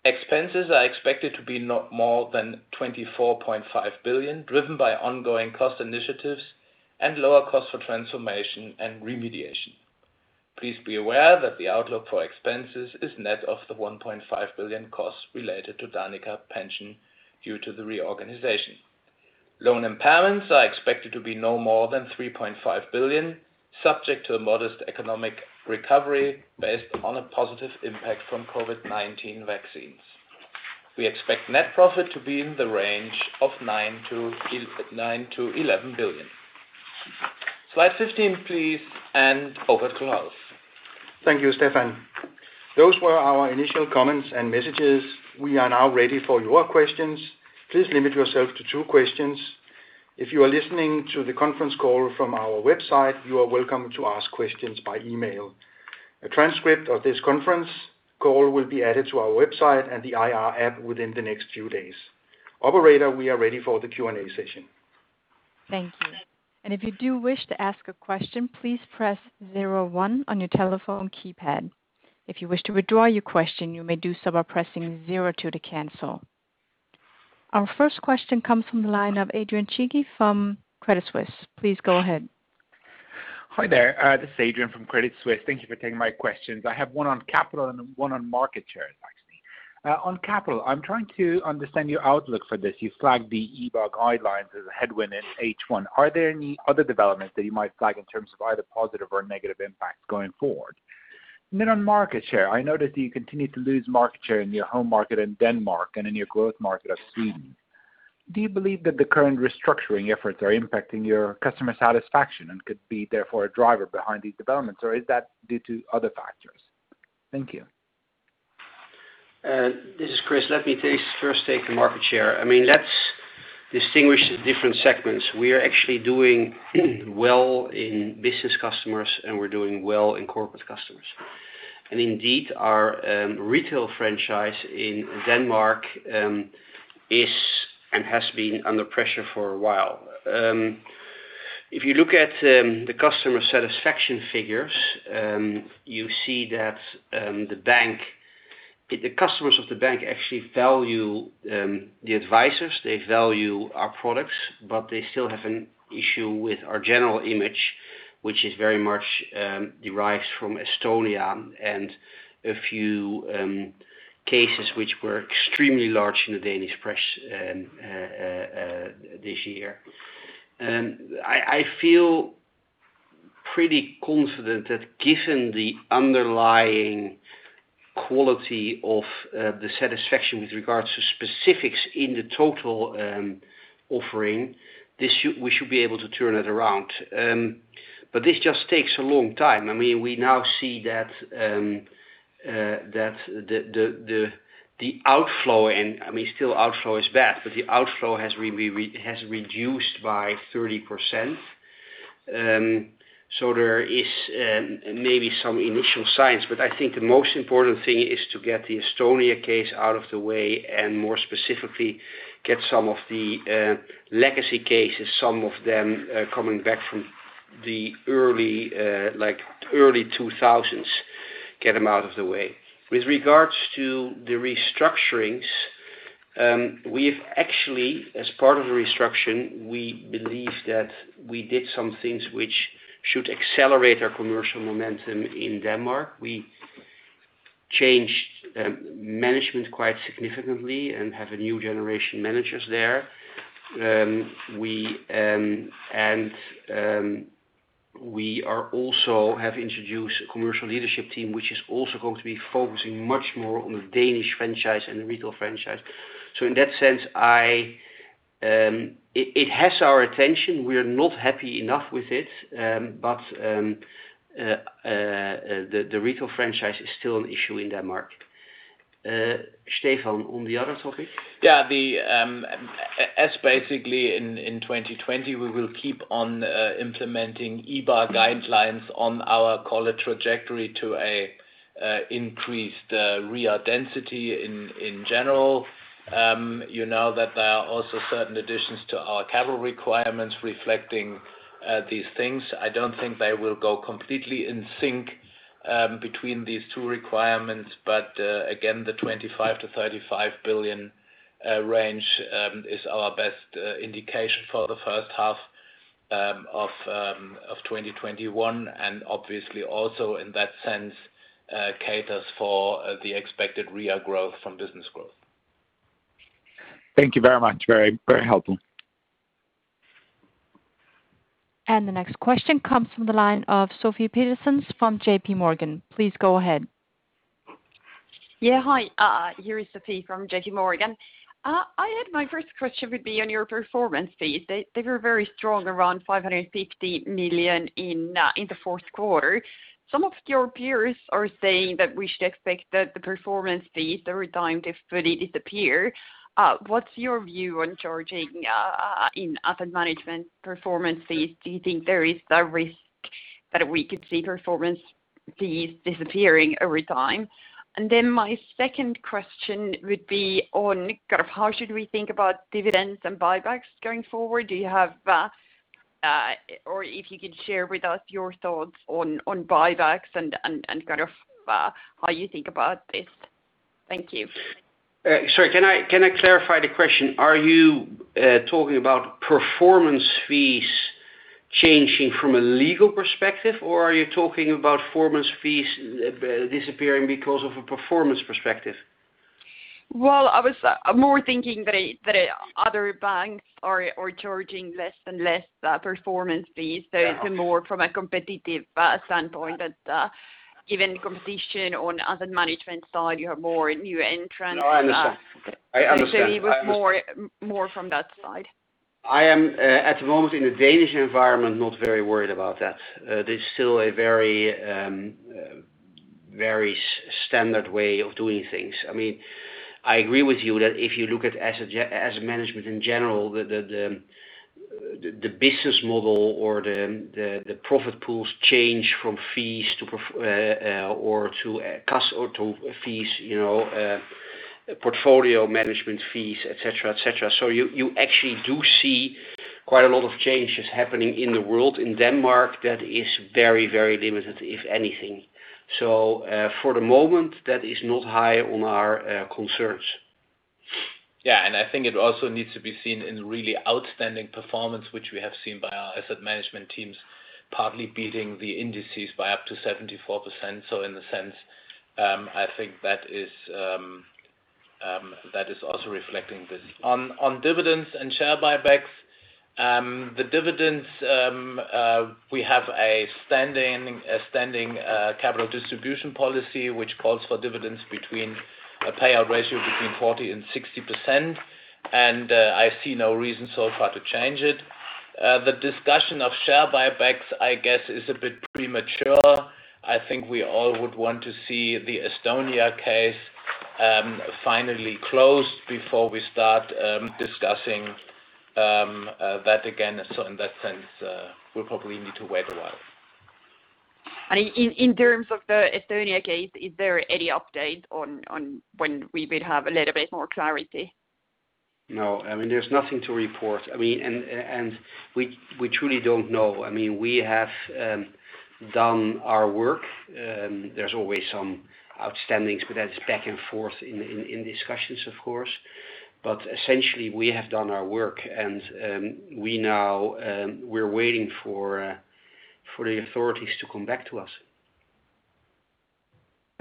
Expenses are expected to be not more than 24.5 billion, driven by ongoing cost initiatives and lower cost for transformation and remediation. Please be aware that the outlook for expenses is net of the 1.5 billion costs related to Danica Pension due to the reorganization. Loan impairments are expected to be no more than 3.5 billion, subject to a modest economic recovery based on a positive impact from COVID-19 vaccines. We expect net profit to be in the range of 9 billion-11 billion. Slide 15, please, and over to Claus. Thank you, Stephan. Those were our initial comments and messages. We are now ready for your questions. Please limit yourself to two questions. If you are listening to the conference call from our website, you are welcome to ask questions by email. A transcript of this conference call will be added to our website and the IR app within the next few days. Operator, we are ready for the Q&A session. Thank you. If you do wish to ask a question, please press zero one on your telephone keypad. If you wish to withdraw your question, you may do so by pressing zero two to cancel. Our first question comes from the line of Adrian Cighi from Credit Suisse. Please go ahead. Hi there. This is Adrian from Credit Suisse. Thank you for taking my questions. I have one on capital and one on market shares, actually. On capital, I'm trying to understand your outlook for this. You flagged the EBA guidelines as a headwind in H1. Are there any other developments that you might flag in terms of either positive or negative impacts going forward? On market share, I noticed that you continue to lose market share in your home market in Denmark and in your growth market of Sweden. Do you believe that the current restructuring efforts are impacting your customer satisfaction and could be therefore a driver behind these developments, or is that due to other factors? Thank you. This is Chris. Let me first take the market share. Let's distinguish the different segments. We are actually doing well in business customers, and we're doing well in corporate customers. Indeed, our retail franchise in Denmark is and has been under pressure for a while. If you look at the customer satisfaction figures, you see that the customers of the bank actually value the advisors, they value our products, but they still have an issue with our general image, which is very much derived from Estonia and a few cases which were extremely large in the Danish press this year. I feel pretty confident that given the underlying quality of the satisfaction with regards to specifics in the total offering, we should be able to turn it around. This just takes a long time. We now see that the outflow, and still outflow is bad, but the outflow has reduced by 30%. There is maybe some initial signs, I think the most important thing is to get the Estonia case out of the way and more specifically get some of the legacy cases, some of them coming back from the early 2000s, get them out of the way. With regards to the restructurings, as part of the restructure, we believe that we did some things which should accelerate our commercial momentum in Denmark. We changed management quite significantly and have a new generation of managers there. We also have introduced a commercial leadership team, which is also going to be focusing much more on the Danish franchise and the retail franchise. In that sense, it has our attention. We're not happy enough with it. The retail franchise is still an issue in Denmark. Stephan, on the other topic? Basically in 2020, we will keep on implementing EBA guidelines on our call trajectory to increase the RWA density in general. You know that there are also certain additions to our capital requirements reflecting these things. I don't think they will go completely in sync between these two requirements. Again, the 25 billion-35 billion range is our best indication for the first half of 2021, and obviously also in that sense, caters for the expected RWA growth from business growth. Thank you very much. Very helpful. The next question comes from the line of Sofie Peterzens from JPMorgan. Please go ahead. Hi, here is Sofie from J.P. Morgan. My first question would be on your performance fees. They were very strong around 550 million in the fourth quarter. Some of your peers are saying that we should expect that the performance fees over time they fully disappear. What's your view on charging in Asset Management performance fees? Do you think there is a risk that we could see performance fees disappearing over time? My second question would be on how should we think about dividends and buybacks going forward? If you could share with us your thoughts on buybacks and how you think about this. Thank you. Sorry, can I clarify the question? Are you talking about performance fees changing from a legal perspective, or are you talking about performance fees disappearing because of a performance perspective? Well, I was more thinking that other banks are charging less and less performance fees. Yeah. It's more from a competitive standpoint that given competition on Asset Management side, you have more new entrants. I understand. It was more from that side. I am, at the moment in the Danish environment, not very worried about that. There's still a very standard way of doing things. I agree with you that if you look at Asset Management in general, the business model or the profit pools change from fees to cost or to fees, portfolio management fees, et cetera. You actually do see quite a lot of changes happening in the world. In Denmark, that is very limited, if anything. For the moment, that is not high on our concerns. Yeah, I think it also needs to be seen in really outstanding performance, which we have seen by our Asset Management teams, partly beating the indices by up to 74%. In a sense, I think that is also reflecting this. On dividends and share buybacks. The dividends, we have a standing capital distribution policy, which calls for dividends between a payout ratio between 40% and 60%, and I see no reason so far to change it. The discussion of share buybacks, I guess, is a bit premature. I think we all would want to see the Estonia case finally closed before we start discussing that again. In that sense, we'll probably need to wait a while. In terms of the Estonia case, is there any update on when we will have a little bit more clarity? No. There's nothing to report. We truly don't know. We have done our work. There's always some outstanding, but that's back and forth in discussions, of course. Essentially, we have done our work, and we're waiting for the authorities to come back to us.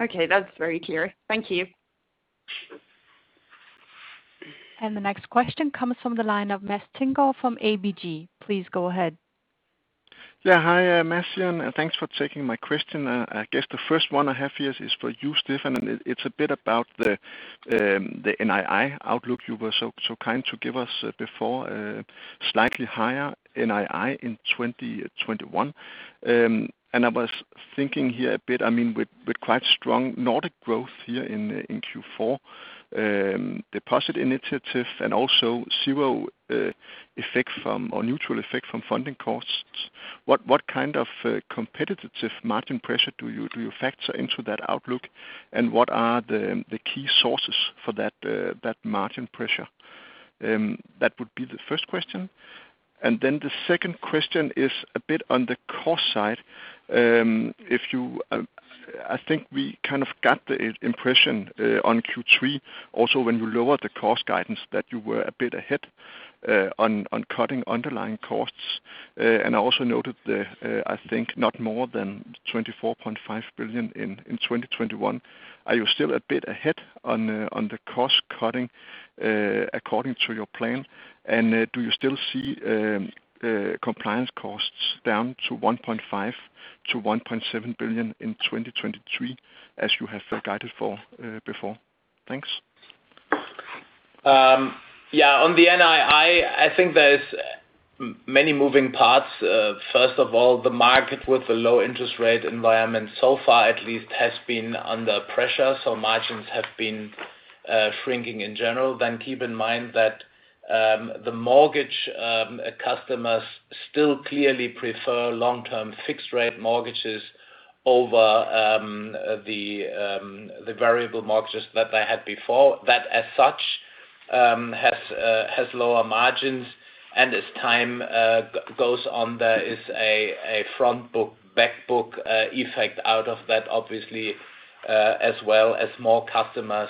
Okay. That's very clear. Thank you. The next question comes from the line of Mads Thinggaard from ABG. Please go ahead. Yeah. Hi, Mads. Thanks for taking my question. I guess the first one I have here is for you, Stephan, it's a bit about the NII outlook you were so kind to give us before, slightly higher NII in 2021. I was thinking here a bit, with quite strong Nordic growth here in Q4, deposit initiatives and also zero effect from, or neutral effect from funding costs. What kind of competitive margin pressure do you factor into that outlook, what are the key sources for that margin pressure? That would be the first question. The second question is a bit on the cost side. I think we kind of got the impression on Q3 also when you lowered the cost guidance that you were a bit ahead on cutting underlying costs. I also noted, I think not more than 24.5 billion in 2021. Are you still a bit ahead on the cost-cutting according to your plan? Do you still see compliance costs down to 1.5 billion-1.7 billion in 2023 as you have guided for before? Thanks. Yeah, on the NII, I think there's many moving parts. First of all, the market with the low interest rate environment so far at least has been under pressure, so margins have been shrinking in general. Keep in mind that the mortgage customers still clearly prefer long-term fixed rate mortgages over the variable mortgages that they had before. That as such has lower margins and as time goes on, there is a front book, back book effect out of that obviously, as well as more customers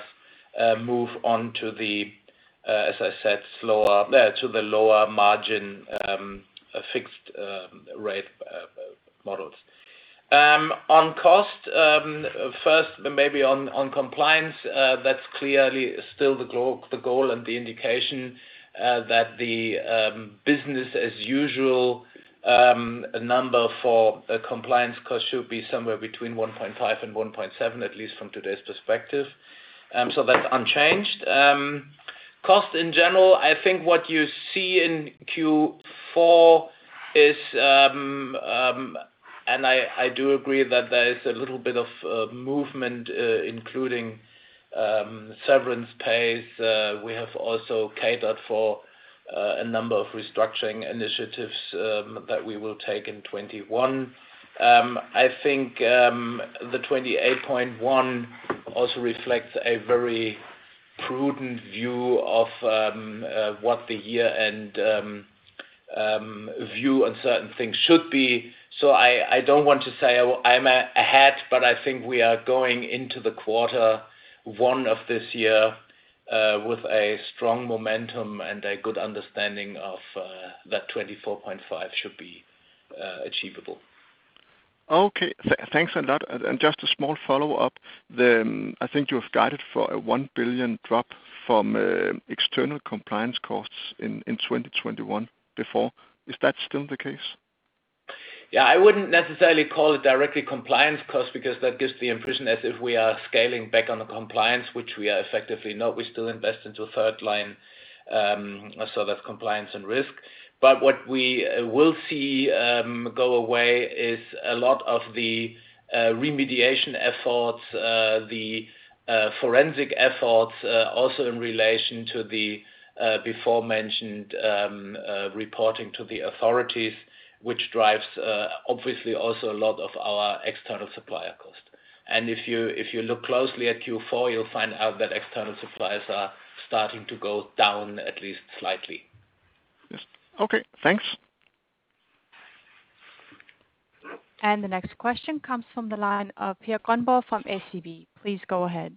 move on to the lower margin fixed rate models. On cost, first maybe on compliance, that's clearly still the goal and the indication that the business as usual number for compliance cost should be somewhere between 1.5 and 1.7, at least from today's perspective. That's unchanged. Cost in general, I think what you see in Q4 is, and I do agree that there is a little bit of movement including severance pays. We have also catered for a number of restructuring initiatives that we will take in 2021. I think the 28.1 also reflects a very prudent view of what the year and view on certain things should be. I don't want to say I'm ahead, but I think we are going into the quarter one of this year with a strong momentum and a good understanding of that 24.5 should be achievable. Okay, thanks a lot. Just a small follow-up. I think you have guided for a 1 billion drop from external compliance costs in 2021 before. Is that still the case? I wouldn't necessarily call it directly compliance cost because that gives the impression as if we are scaling back on the compliance, which we are effectively not. We still invest into third line, so that's compliance and risk. What we will see go away is a lot of the remediation efforts, the forensic efforts also in relation to the before mentioned reporting to the authorities, which drives obviously also a lot of our external supplier cost. If you look closely at Q4, you'll find out that external suppliers are starting to go down at least slightly. Yes. Okay, thanks. The next question comes from the line of Per Grønborg from SEB. Please go ahead.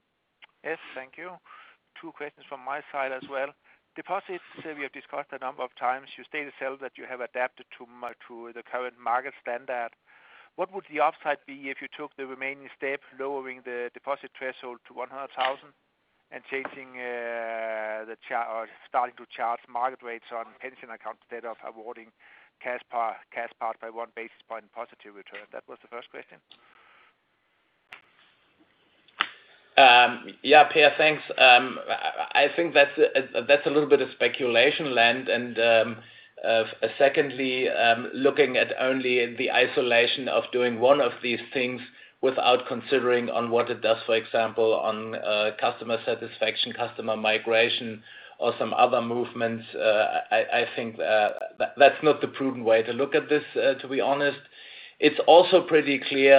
Yes, thank you. Two questions from my side as well. Deposits, we have discussed a number of times. You state itself that you have adapted to the current market standard. What would the upside be if you took the remaining step, lowering the deposit threshold to 100,000 and starting to charge market rates on pension accounts instead of awarding cash part by one basis point positive return? That was the first question. Yeah, Per, thanks. I think that's a little bit of speculation land and, secondly, looking at only the isolation of doing one of these things without considering on what it does, for example, on customer satisfaction, customer migration, or some other movements. I think that's not the prudent way to look at this, to be honest. It's also pretty clear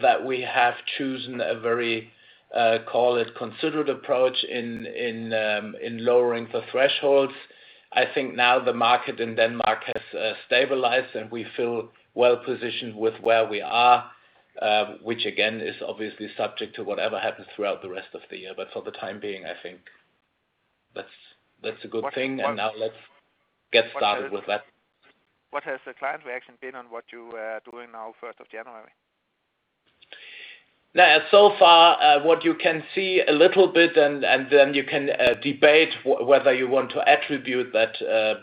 that we have chosen a very, call it considered approach in lowering the thresholds. I think now the market in Denmark has stabilized, and we feel well-positioned with where we are, which again, is obviously subject to whatever happens throughout the rest of the year. For the time being, I think that's a good thing and now let's get started with that. What has the client reaction been on what you are doing now first of January? So far, what you can see a little bit and then you can debate whether you want to attribute that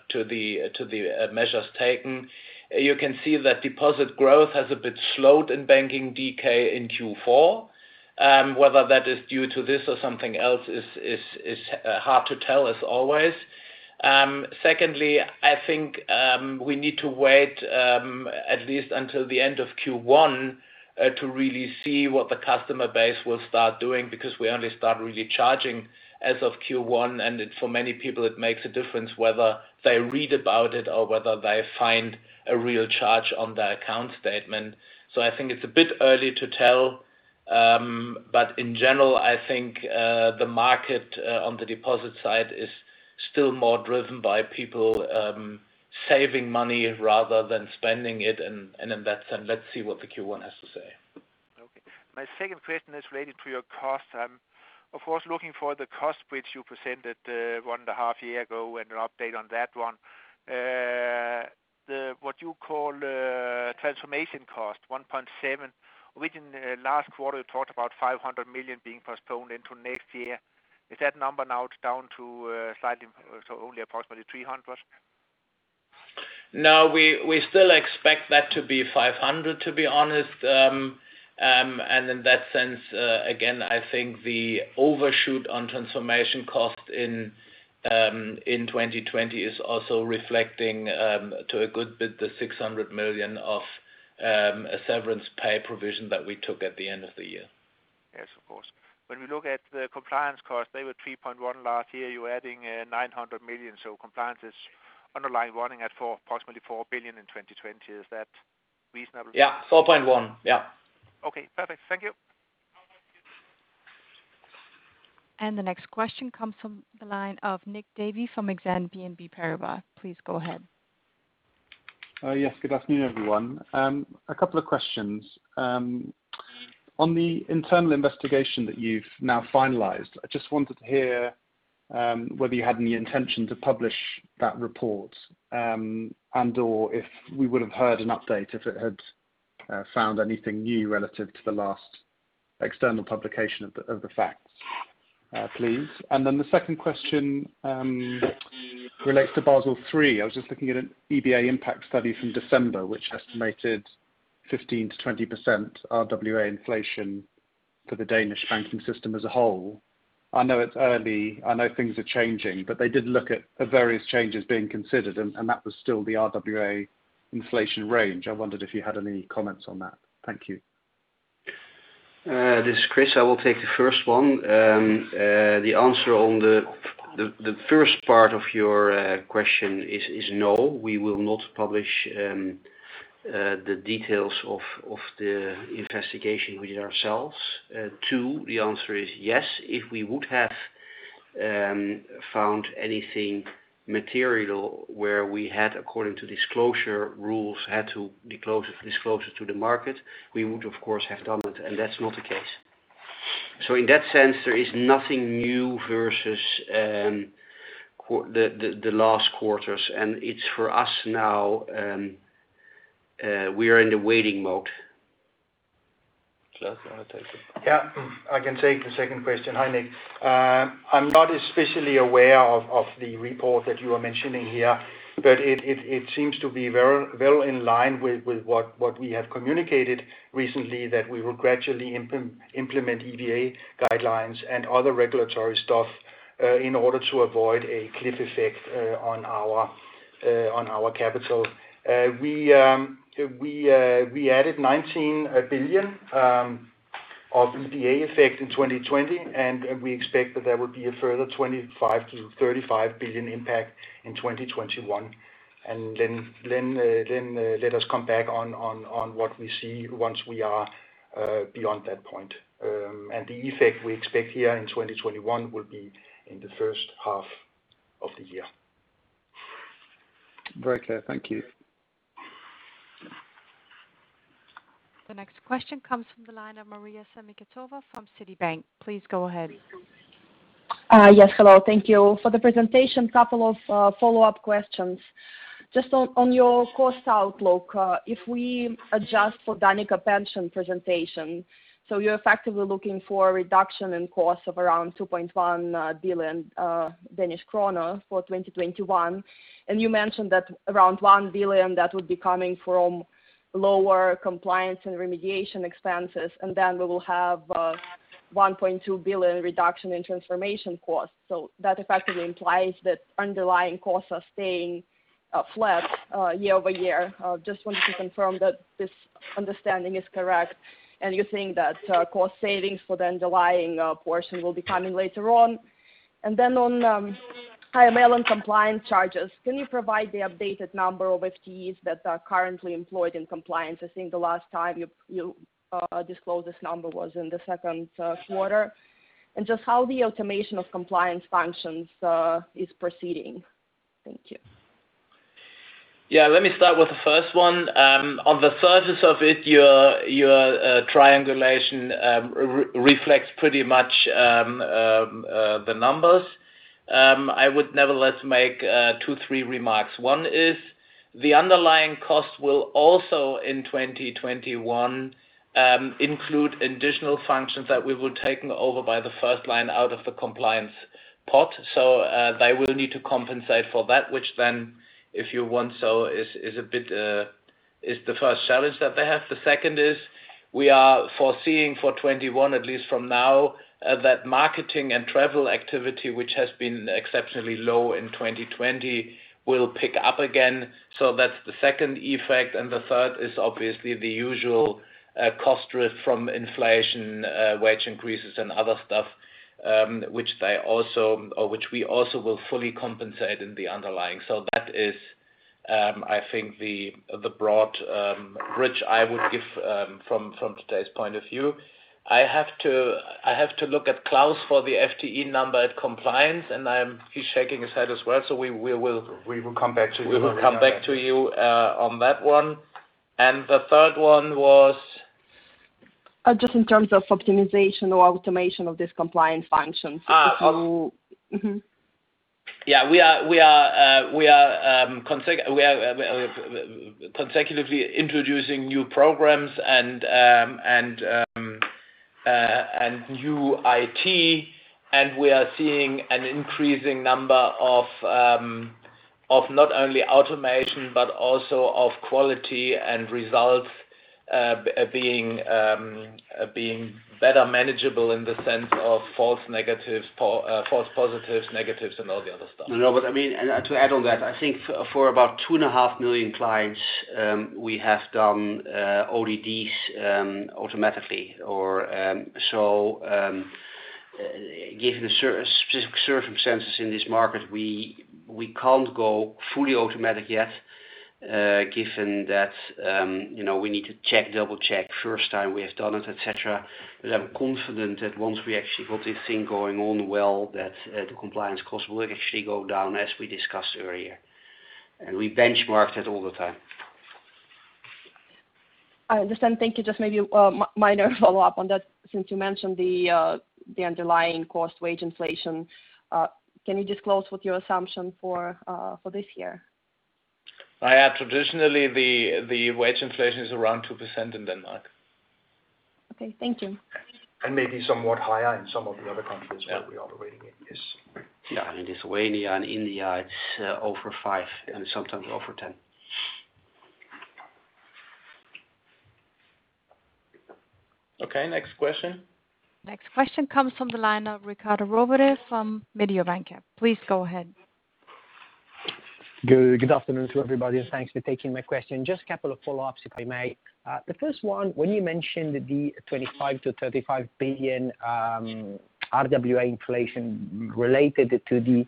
to the measures taken. You can see that deposit growth has a bit slowed in Banking DK in Q4. Whether that is due to this or something else is hard to tell as always. Secondly, I think we need to wait at least until the end of Q1 to really see what the customer base will start doing because we only start really charging as of Q1 and for many people it makes a difference whether they read about it or whether they find a real charge on their account statement. I think it's a bit early to tell In general, I think the market on the deposit side is still more driven by people saving money rather than spending it. In that sense, let's see what the Q1 has to say. Okay. My second question is related to your cost. Of course, looking for the cost which you presented one and a half year ago and an update on that one. What you call transformation cost 1.7, which in the last quarter you talked about 500 million being postponed into next year. Is that number now down to slightly, so only approximately 300 million? No, we still expect that to be 500, to be honest. In that sense, again, I think the overshoot on transformation cost in 2020 is also reflecting to a good bit, the 600 million of severance pay provision that we took at the end of the year. Yes, of course. When we look at the compliance cost, they were 3.1 last year. You're adding 900 million. Compliance is underlying running at approximately 4 billion in 2020. Is that reasonable? Yeah, 4.1. Yeah. Okay, perfect. Thank you. The next question comes from the line of Nick Davey from Exane BNP Paribas. Please go ahead. Good afternoon, everyone. A couple of questions. On the internal investigation that you've now finalized, I just wanted to hear whether you had any intention to publish that report, and/or if we would have heard an update if it had found anything new relative to the last external publication of the facts, please. The second question relates to Basel III. I was just looking at an EBA impact study from December, which estimated 15%-20% RWA inflation for the Danish banking system as a whole. I know it's early, I know things are changing, but they did look at the various changes being considered, and that was still the RWA inflation range. I wondered if you had any comments on that. Thank you. This is Chris. I will take the first one. The answer on the first part of your question is no, we will not publish the details of the investigation with ourselves. Two, the answer is yes. If we would have found anything material where we had, according to disclosure rules, had to disclose it to the market, we would, of course, have done that, and that's not the case. In that sense, there is nothing new versus the last quarters, and it's for us now, we are in the waiting mode. Claus, you want to take it? Yeah, I can take the second question. Hi, Nick. I'm not especially aware of the report that you are mentioning here, but it seems to be well in line with what we have communicated recently, that we will gradually implement EBA guidelines and other regulatory stuff, in order to avoid a cliff effect on our capital. We added 19 billion of EBA effect in 2020. We expect that there will be a further 25 billion-35 billion impact in 2021. Let us come back on what we see once we are beyond that point. The effect we expect here in 2021 will be in the first half of the year. Very clear. Thank you. The next question comes from the line of Maria Semikhatova from Citi. Please go ahead. Yes. Hello. Thank you for the presentation. Couple of follow-up questions. Just on your cost outlook, if we adjust for Danica Pension presentation, you're effectively looking for a reduction in costs of around 2.1 billion Danish kroner for 2021. You mentioned that around 1 billion that would be coming from lower compliance and remediation expenses, we will have 1.2 billion reduction in transformation costs. That effectively implies that underlying costs are staying flat year-over-year. Just wanted to confirm that this understanding is correct, and you think that cost savings for the underlying portion will be coming later on. On higher AML compliance charges, can you provide the updated number of FTEs that are currently employed in compliance? I think the last time you disclosed this number was in the second quarter. Just how the automation of compliance functions is proceeding. Thank you. Yeah, let me start with the first one. On the surface of it, your triangulation reflects pretty much the numbers. I would nevertheless make two, three remarks. One is the underlying cost will also in 2021 include additional functions that we will taken over by the first line out of the compliance pot. They will need to compensate for that, which then, if you want so, is the first challenge that they have. The second is we are foreseeing for 2021, at least from now, that marketing and travel activity, which has been exceptionally low in 2020, will pick up again. That's the second effect. The third is obviously the usual cost risk from inflation, wage increases, and other stuff, which we also will fully compensate in the underlying. I think the broad bridge I would give from today's point of view, I have to look at Claus for the FTE number at compliance, and he's shaking his head as well. We will come back to you on that. We will come back to you on that one. The third one was? Just in terms of optimization or automation of these compliance functions. Yeah. We are consecutively introducing new programs and new IT, and we are seeing an increasing number of not only automation, but also of quality and results being better manageable in the sense of false positives, negatives, and all the other stuff. I mean, to add on that, I think for about 2.5 million clients, we have done ODDs automatically. Given the specific circumstances in this market, we can't go fully automatic yet, given that we need to check, double-check first time we have done it, et cetera. I'm confident that once we actually got this thing going on well, that the compliance costs will actually go down as we discussed earlier. We benchmark that all the time. I understand. Thank you. Just maybe a minor follow-up on that since you mentioned the underlying cost wage inflation. Can you disclose what is your assumption for this year? Traditionally, the wage inflation is around 2% in Denmark. Okay. Thank you. Maybe somewhat higher in some of the other countries. Yeah that we operating in. Yes. Yeah. In Lithuania and India, it's over five, and sometimes over 10. Okay. Next question. Next question comes from the line of Riccardo Rovere from Mediobanca. Please go ahead. Good afternoon to everybody, thanks for taking my question. Just a couple of follow-ups, if I may. The first one, when you mentioned the 25 billion-35 billion RWA inflation related to the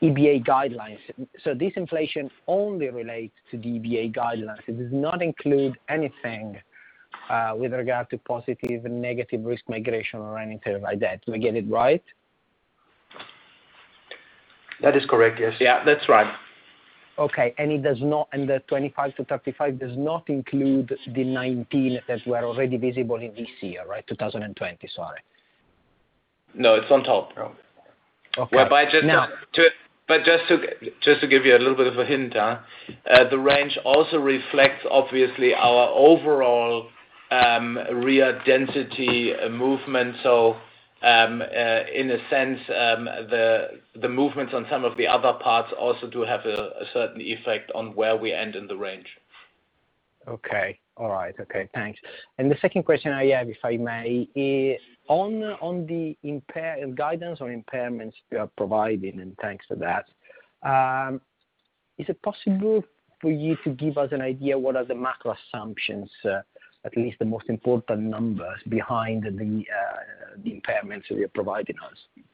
EBA guidelines. This inflation only relates to the EBA guidelines. It does not include anything with regard to positive and negative risk migration or anything like that. Do I get it right? That is correct, yes. Yeah, that's right. Okay. The 25-35 does not include the 19 that were already visible in this year, right? 2020, sorry. No, it's on top. Okay. Just to give you a little bit of a hint, the range also reflects obviously our overall RWA density movement. In a sense, the movements on some of the other parts also do have a certain effect on where we end in the range. Okay. All right. Okay, thanks. The second question I have, if I may, is on the guidance on impairments you are providing, and thanks for that. Is it possible for you to give us an idea what are the macro assumptions, at least the most important numbers behind the impairments that you're providing us?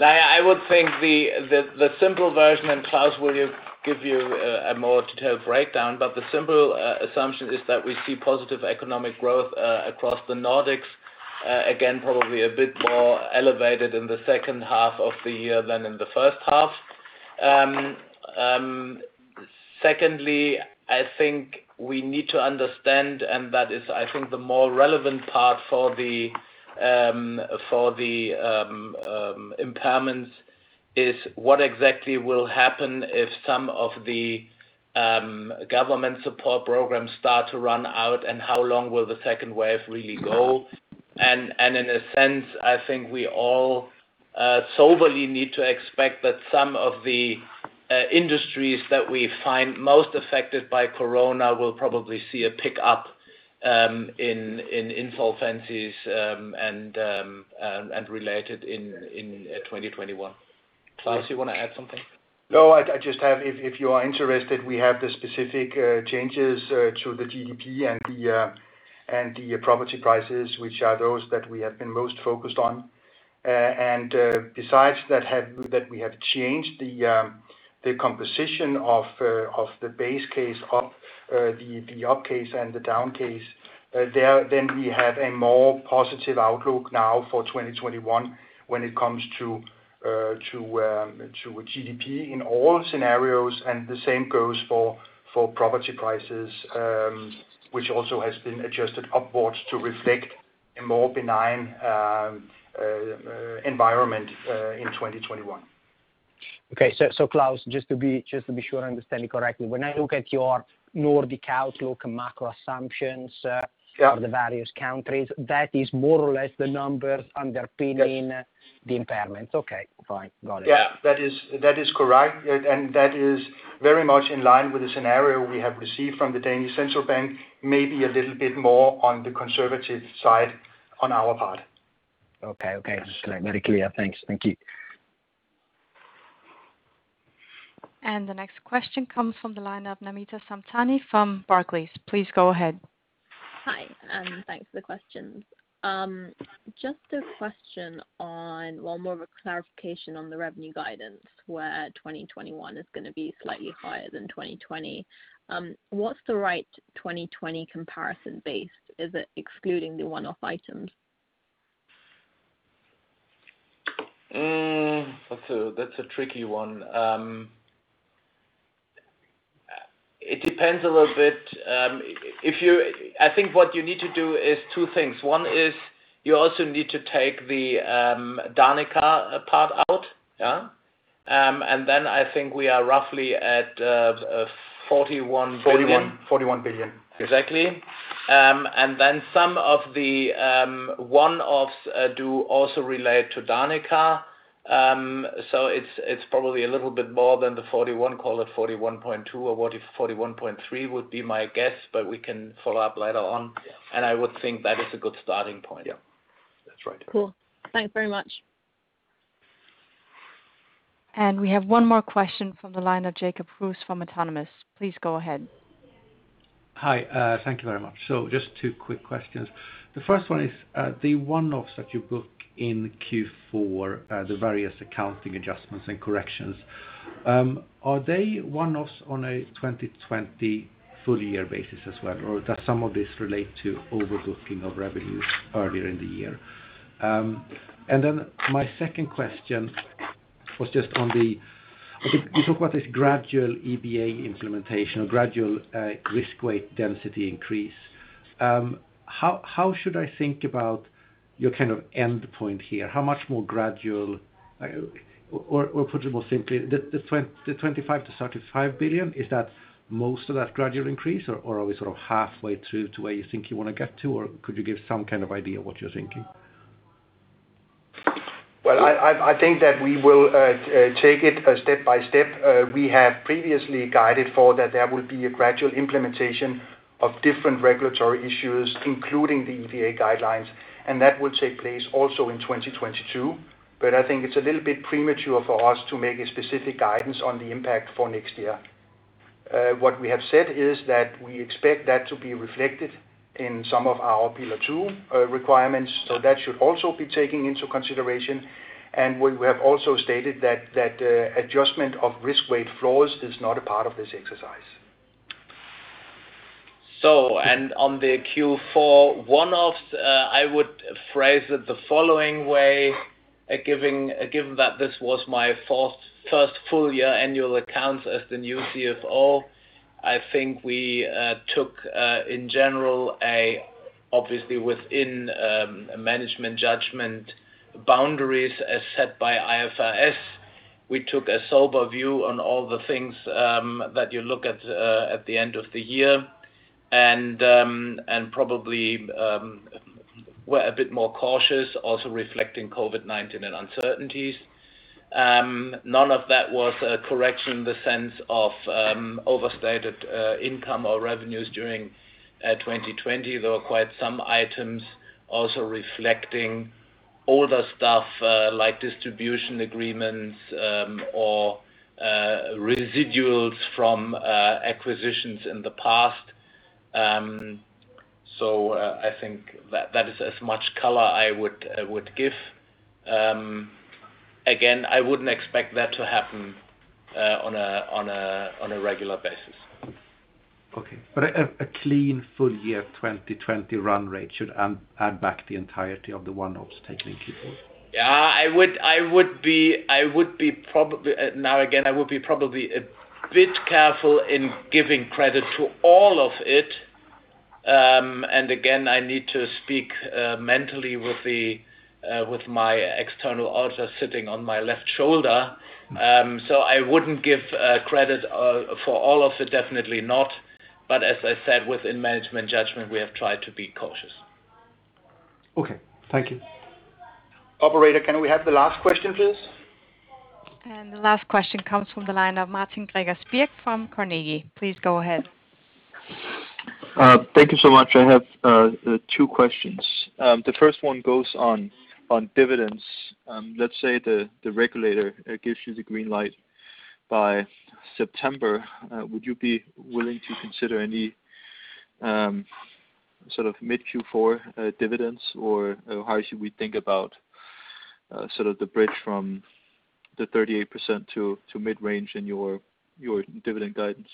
I would think the simple version, and Claus will give you a more detailed breakdown, but the simple assumption is that we see positive economic growth across the Nordics. Again, probably a bit more elevated in the second half of the year than in the first half. Secondly, I think we need to understand, and that is, I think the more relevant part for the impairments is what exactly will happen if some of the government support programs start to run out, and how long will the second wave really go. In a sense, I think we all soberly need to expect that some of the industries that we find most affected by Corona will probably see a pickup in insolvencies and related in 2021. Claus, you want to add something? No, if you are interested, we have the specific changes to the GDP and the property prices, which are those that we have been most focused on. Besides that we have changed the composition of the base case of the up case and the down case. We have a more positive outlook now for 2021 when it comes to GDP in all scenarios, and the same goes for property prices, which also has been adjusted upwards to reflect a more benign environment in 2021. Okay. Claus, just to be sure I understand you correctly, when I look at your Nordic outlook macro assumptions- Yeah for the various countries, that is more or less the numbers underpinning. Yes the impairments. Okay. Fine. Got it. Yeah. That is correct. That is very much in line with the scenario we have received from the Danish Central Bank, maybe a little bit more on the conservative side on our part. Okay. Very clear. Thanks. Thank you. The next question comes from the line of Namita Samtani from Barclays. Please go ahead. Hi, and thanks for the questions. Just a question on, well, more of a clarification on the revenue guidance, where 2021 is going to be slightly higher than 2020. What's the right 2020 comparison base? Is it excluding the one-off items? That's a tricky one. It depends a little bit. I think what you need to do is two things. One is you also need to take the Danica part out. Yeah? I think we are roughly at 41 billion. 41 billion. Exactly. Some of the one-offs do also relate to Danica. It's probably a little bit more than 41, call it 41.2 or 41.3 would be my guess, we can follow up later on. Yeah. I would think that is a good starting point. Yeah. That's right. Cool. Thanks very much. We have one more question from the line of Jacob Kruse from Autonomous. Please go ahead. Hi. Thank you very much. Just two quick questions. The first one is, the one-offs that you book in Q4, the various accounting adjustments and corrections. Are they one-offs on a 2020 full year basis as well, or does some of this relate to overbooking of revenues earlier in the year? My second question was just on the, you talk about this gradual EBA implementation or gradual risk weight density increase. How should I think about your kind of endpoint here? How much more gradual, or put it more simply, the 25 billion-35 billion, is that most of that gradual increase, or are we sort of halfway to where you think you want to get to, or could you give some kind of idea what you're thinking? Well, I think that we will take it step by step. We have previously guided for that there will be a gradual implementation of different regulatory issues, including the EBA guidelines, and that will take place also in 2022. I think it's a little bit premature for us to make a specific guidance on the impact for next year. What we have said is that we expect that to be reflected in some of our Pillar 2 requirements. That should also be taken into consideration. We have also stated that adjustment of risk weight floors is not a part of this exercise. And on the Q4 one-offs, I would phrase it the following way, given that this was my first full year annual accounts as the new CFO, I think we took, in general, obviously within management judgment boundaries as set by IFRS, we took a sober view on all the things that you look at the end of the year, and probably were a bit more cautious, also reflecting COVID-19 and uncertainties. None of that was a correction in the sense of overstated income or revenues during 2020. There were quite some items also reflecting older stuff like distribution agreements or residuals from acquisitions in the past. I think that is as much color I would give. Again, I wouldn't expect that to happen on a regular basis. Okay. A clean full year 2020 run rate should add back the entirety of the one-offs taken in Q4. Now again, I would be probably a bit careful in giving credit to all of it. Again, I need to speak mentally with my external auditor sitting on my left shoulder. I wouldn't give credit for all of it, definitely not. As I said, within management judgment, we have tried to be cautious. Okay. Thank you. Operator, can we have the last question, please? The last question comes from the line of Martin Gregers Birk from Carnegie. Please go ahead. Thank you so much. I have two questions. The first one goes on dividends. Let's say the regulator gives you the green light by September. Would you be willing to consider any sort of mid Q4 dividends, or how should we think about sort of the bridge from the 38% to mid-range in your dividend guidance?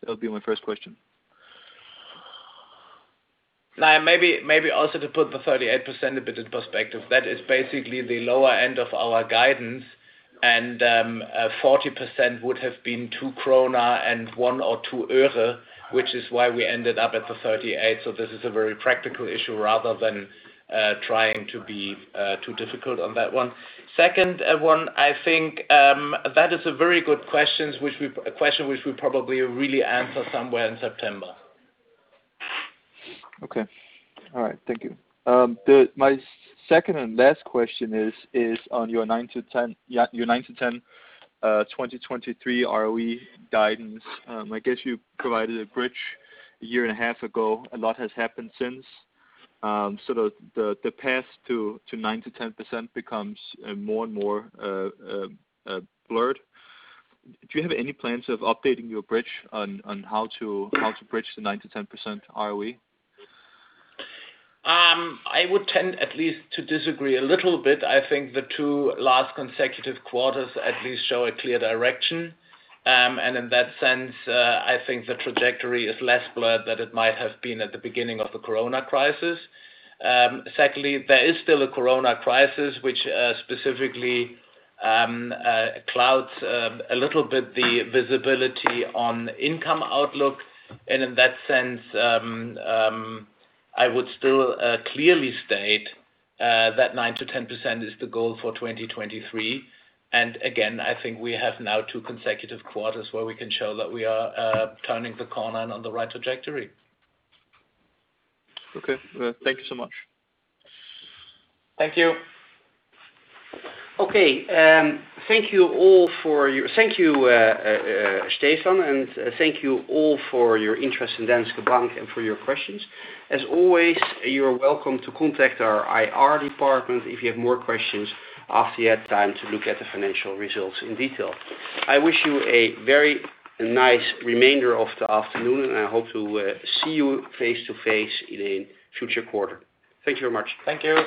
That would be my first question. Maybe also to put the 38% a bit in perspective, that is basically the lower end of our guidance, and 40% would have been 2 krone and 0.01 or DKK 0.02, which is why we ended up at the 38%. This is a very practical issue rather than trying to be too difficult on that one. Second one, I think that is a very good question which we'll probably really answer somewhere in September. Okay. All right. Thank you. My second and last question is on your 9%-10% 2023 ROE guidance. I guess you provided a bridge a year and a half ago. A lot has happened since. The path to 9%-10% becomes more and more blurred. Do you have any plans of updating your bridge on how to bridge the 9%-10% ROE? I would tend at least to disagree a little bit. I think the two last consecutive quarters at least show a clear direction. In that sense, I think the trajectory is less blurred than it might have been at the beginning of the Corona crisis. Secondly, there is still a Corona crisis, which specifically clouds a little bit the visibility on income outlook. In that sense, I would still clearly state that 9%-10% is the goal for 2023. Again, I think we have now two consecutive quarters where we can show that we are turning the corner and on the right trajectory. Okay. Thank you so much. Thank you. Okay. Thank you, Stephan, and thank you all for your interest in Danske Bank and for your questions. As always, you're welcome to contact our IR department if you have more questions after you had time to look at the financial results in detail. I wish you a very nice remainder of the afternoon, and I hope to see you face to face in a future quarter. Thank you very much. Thank you.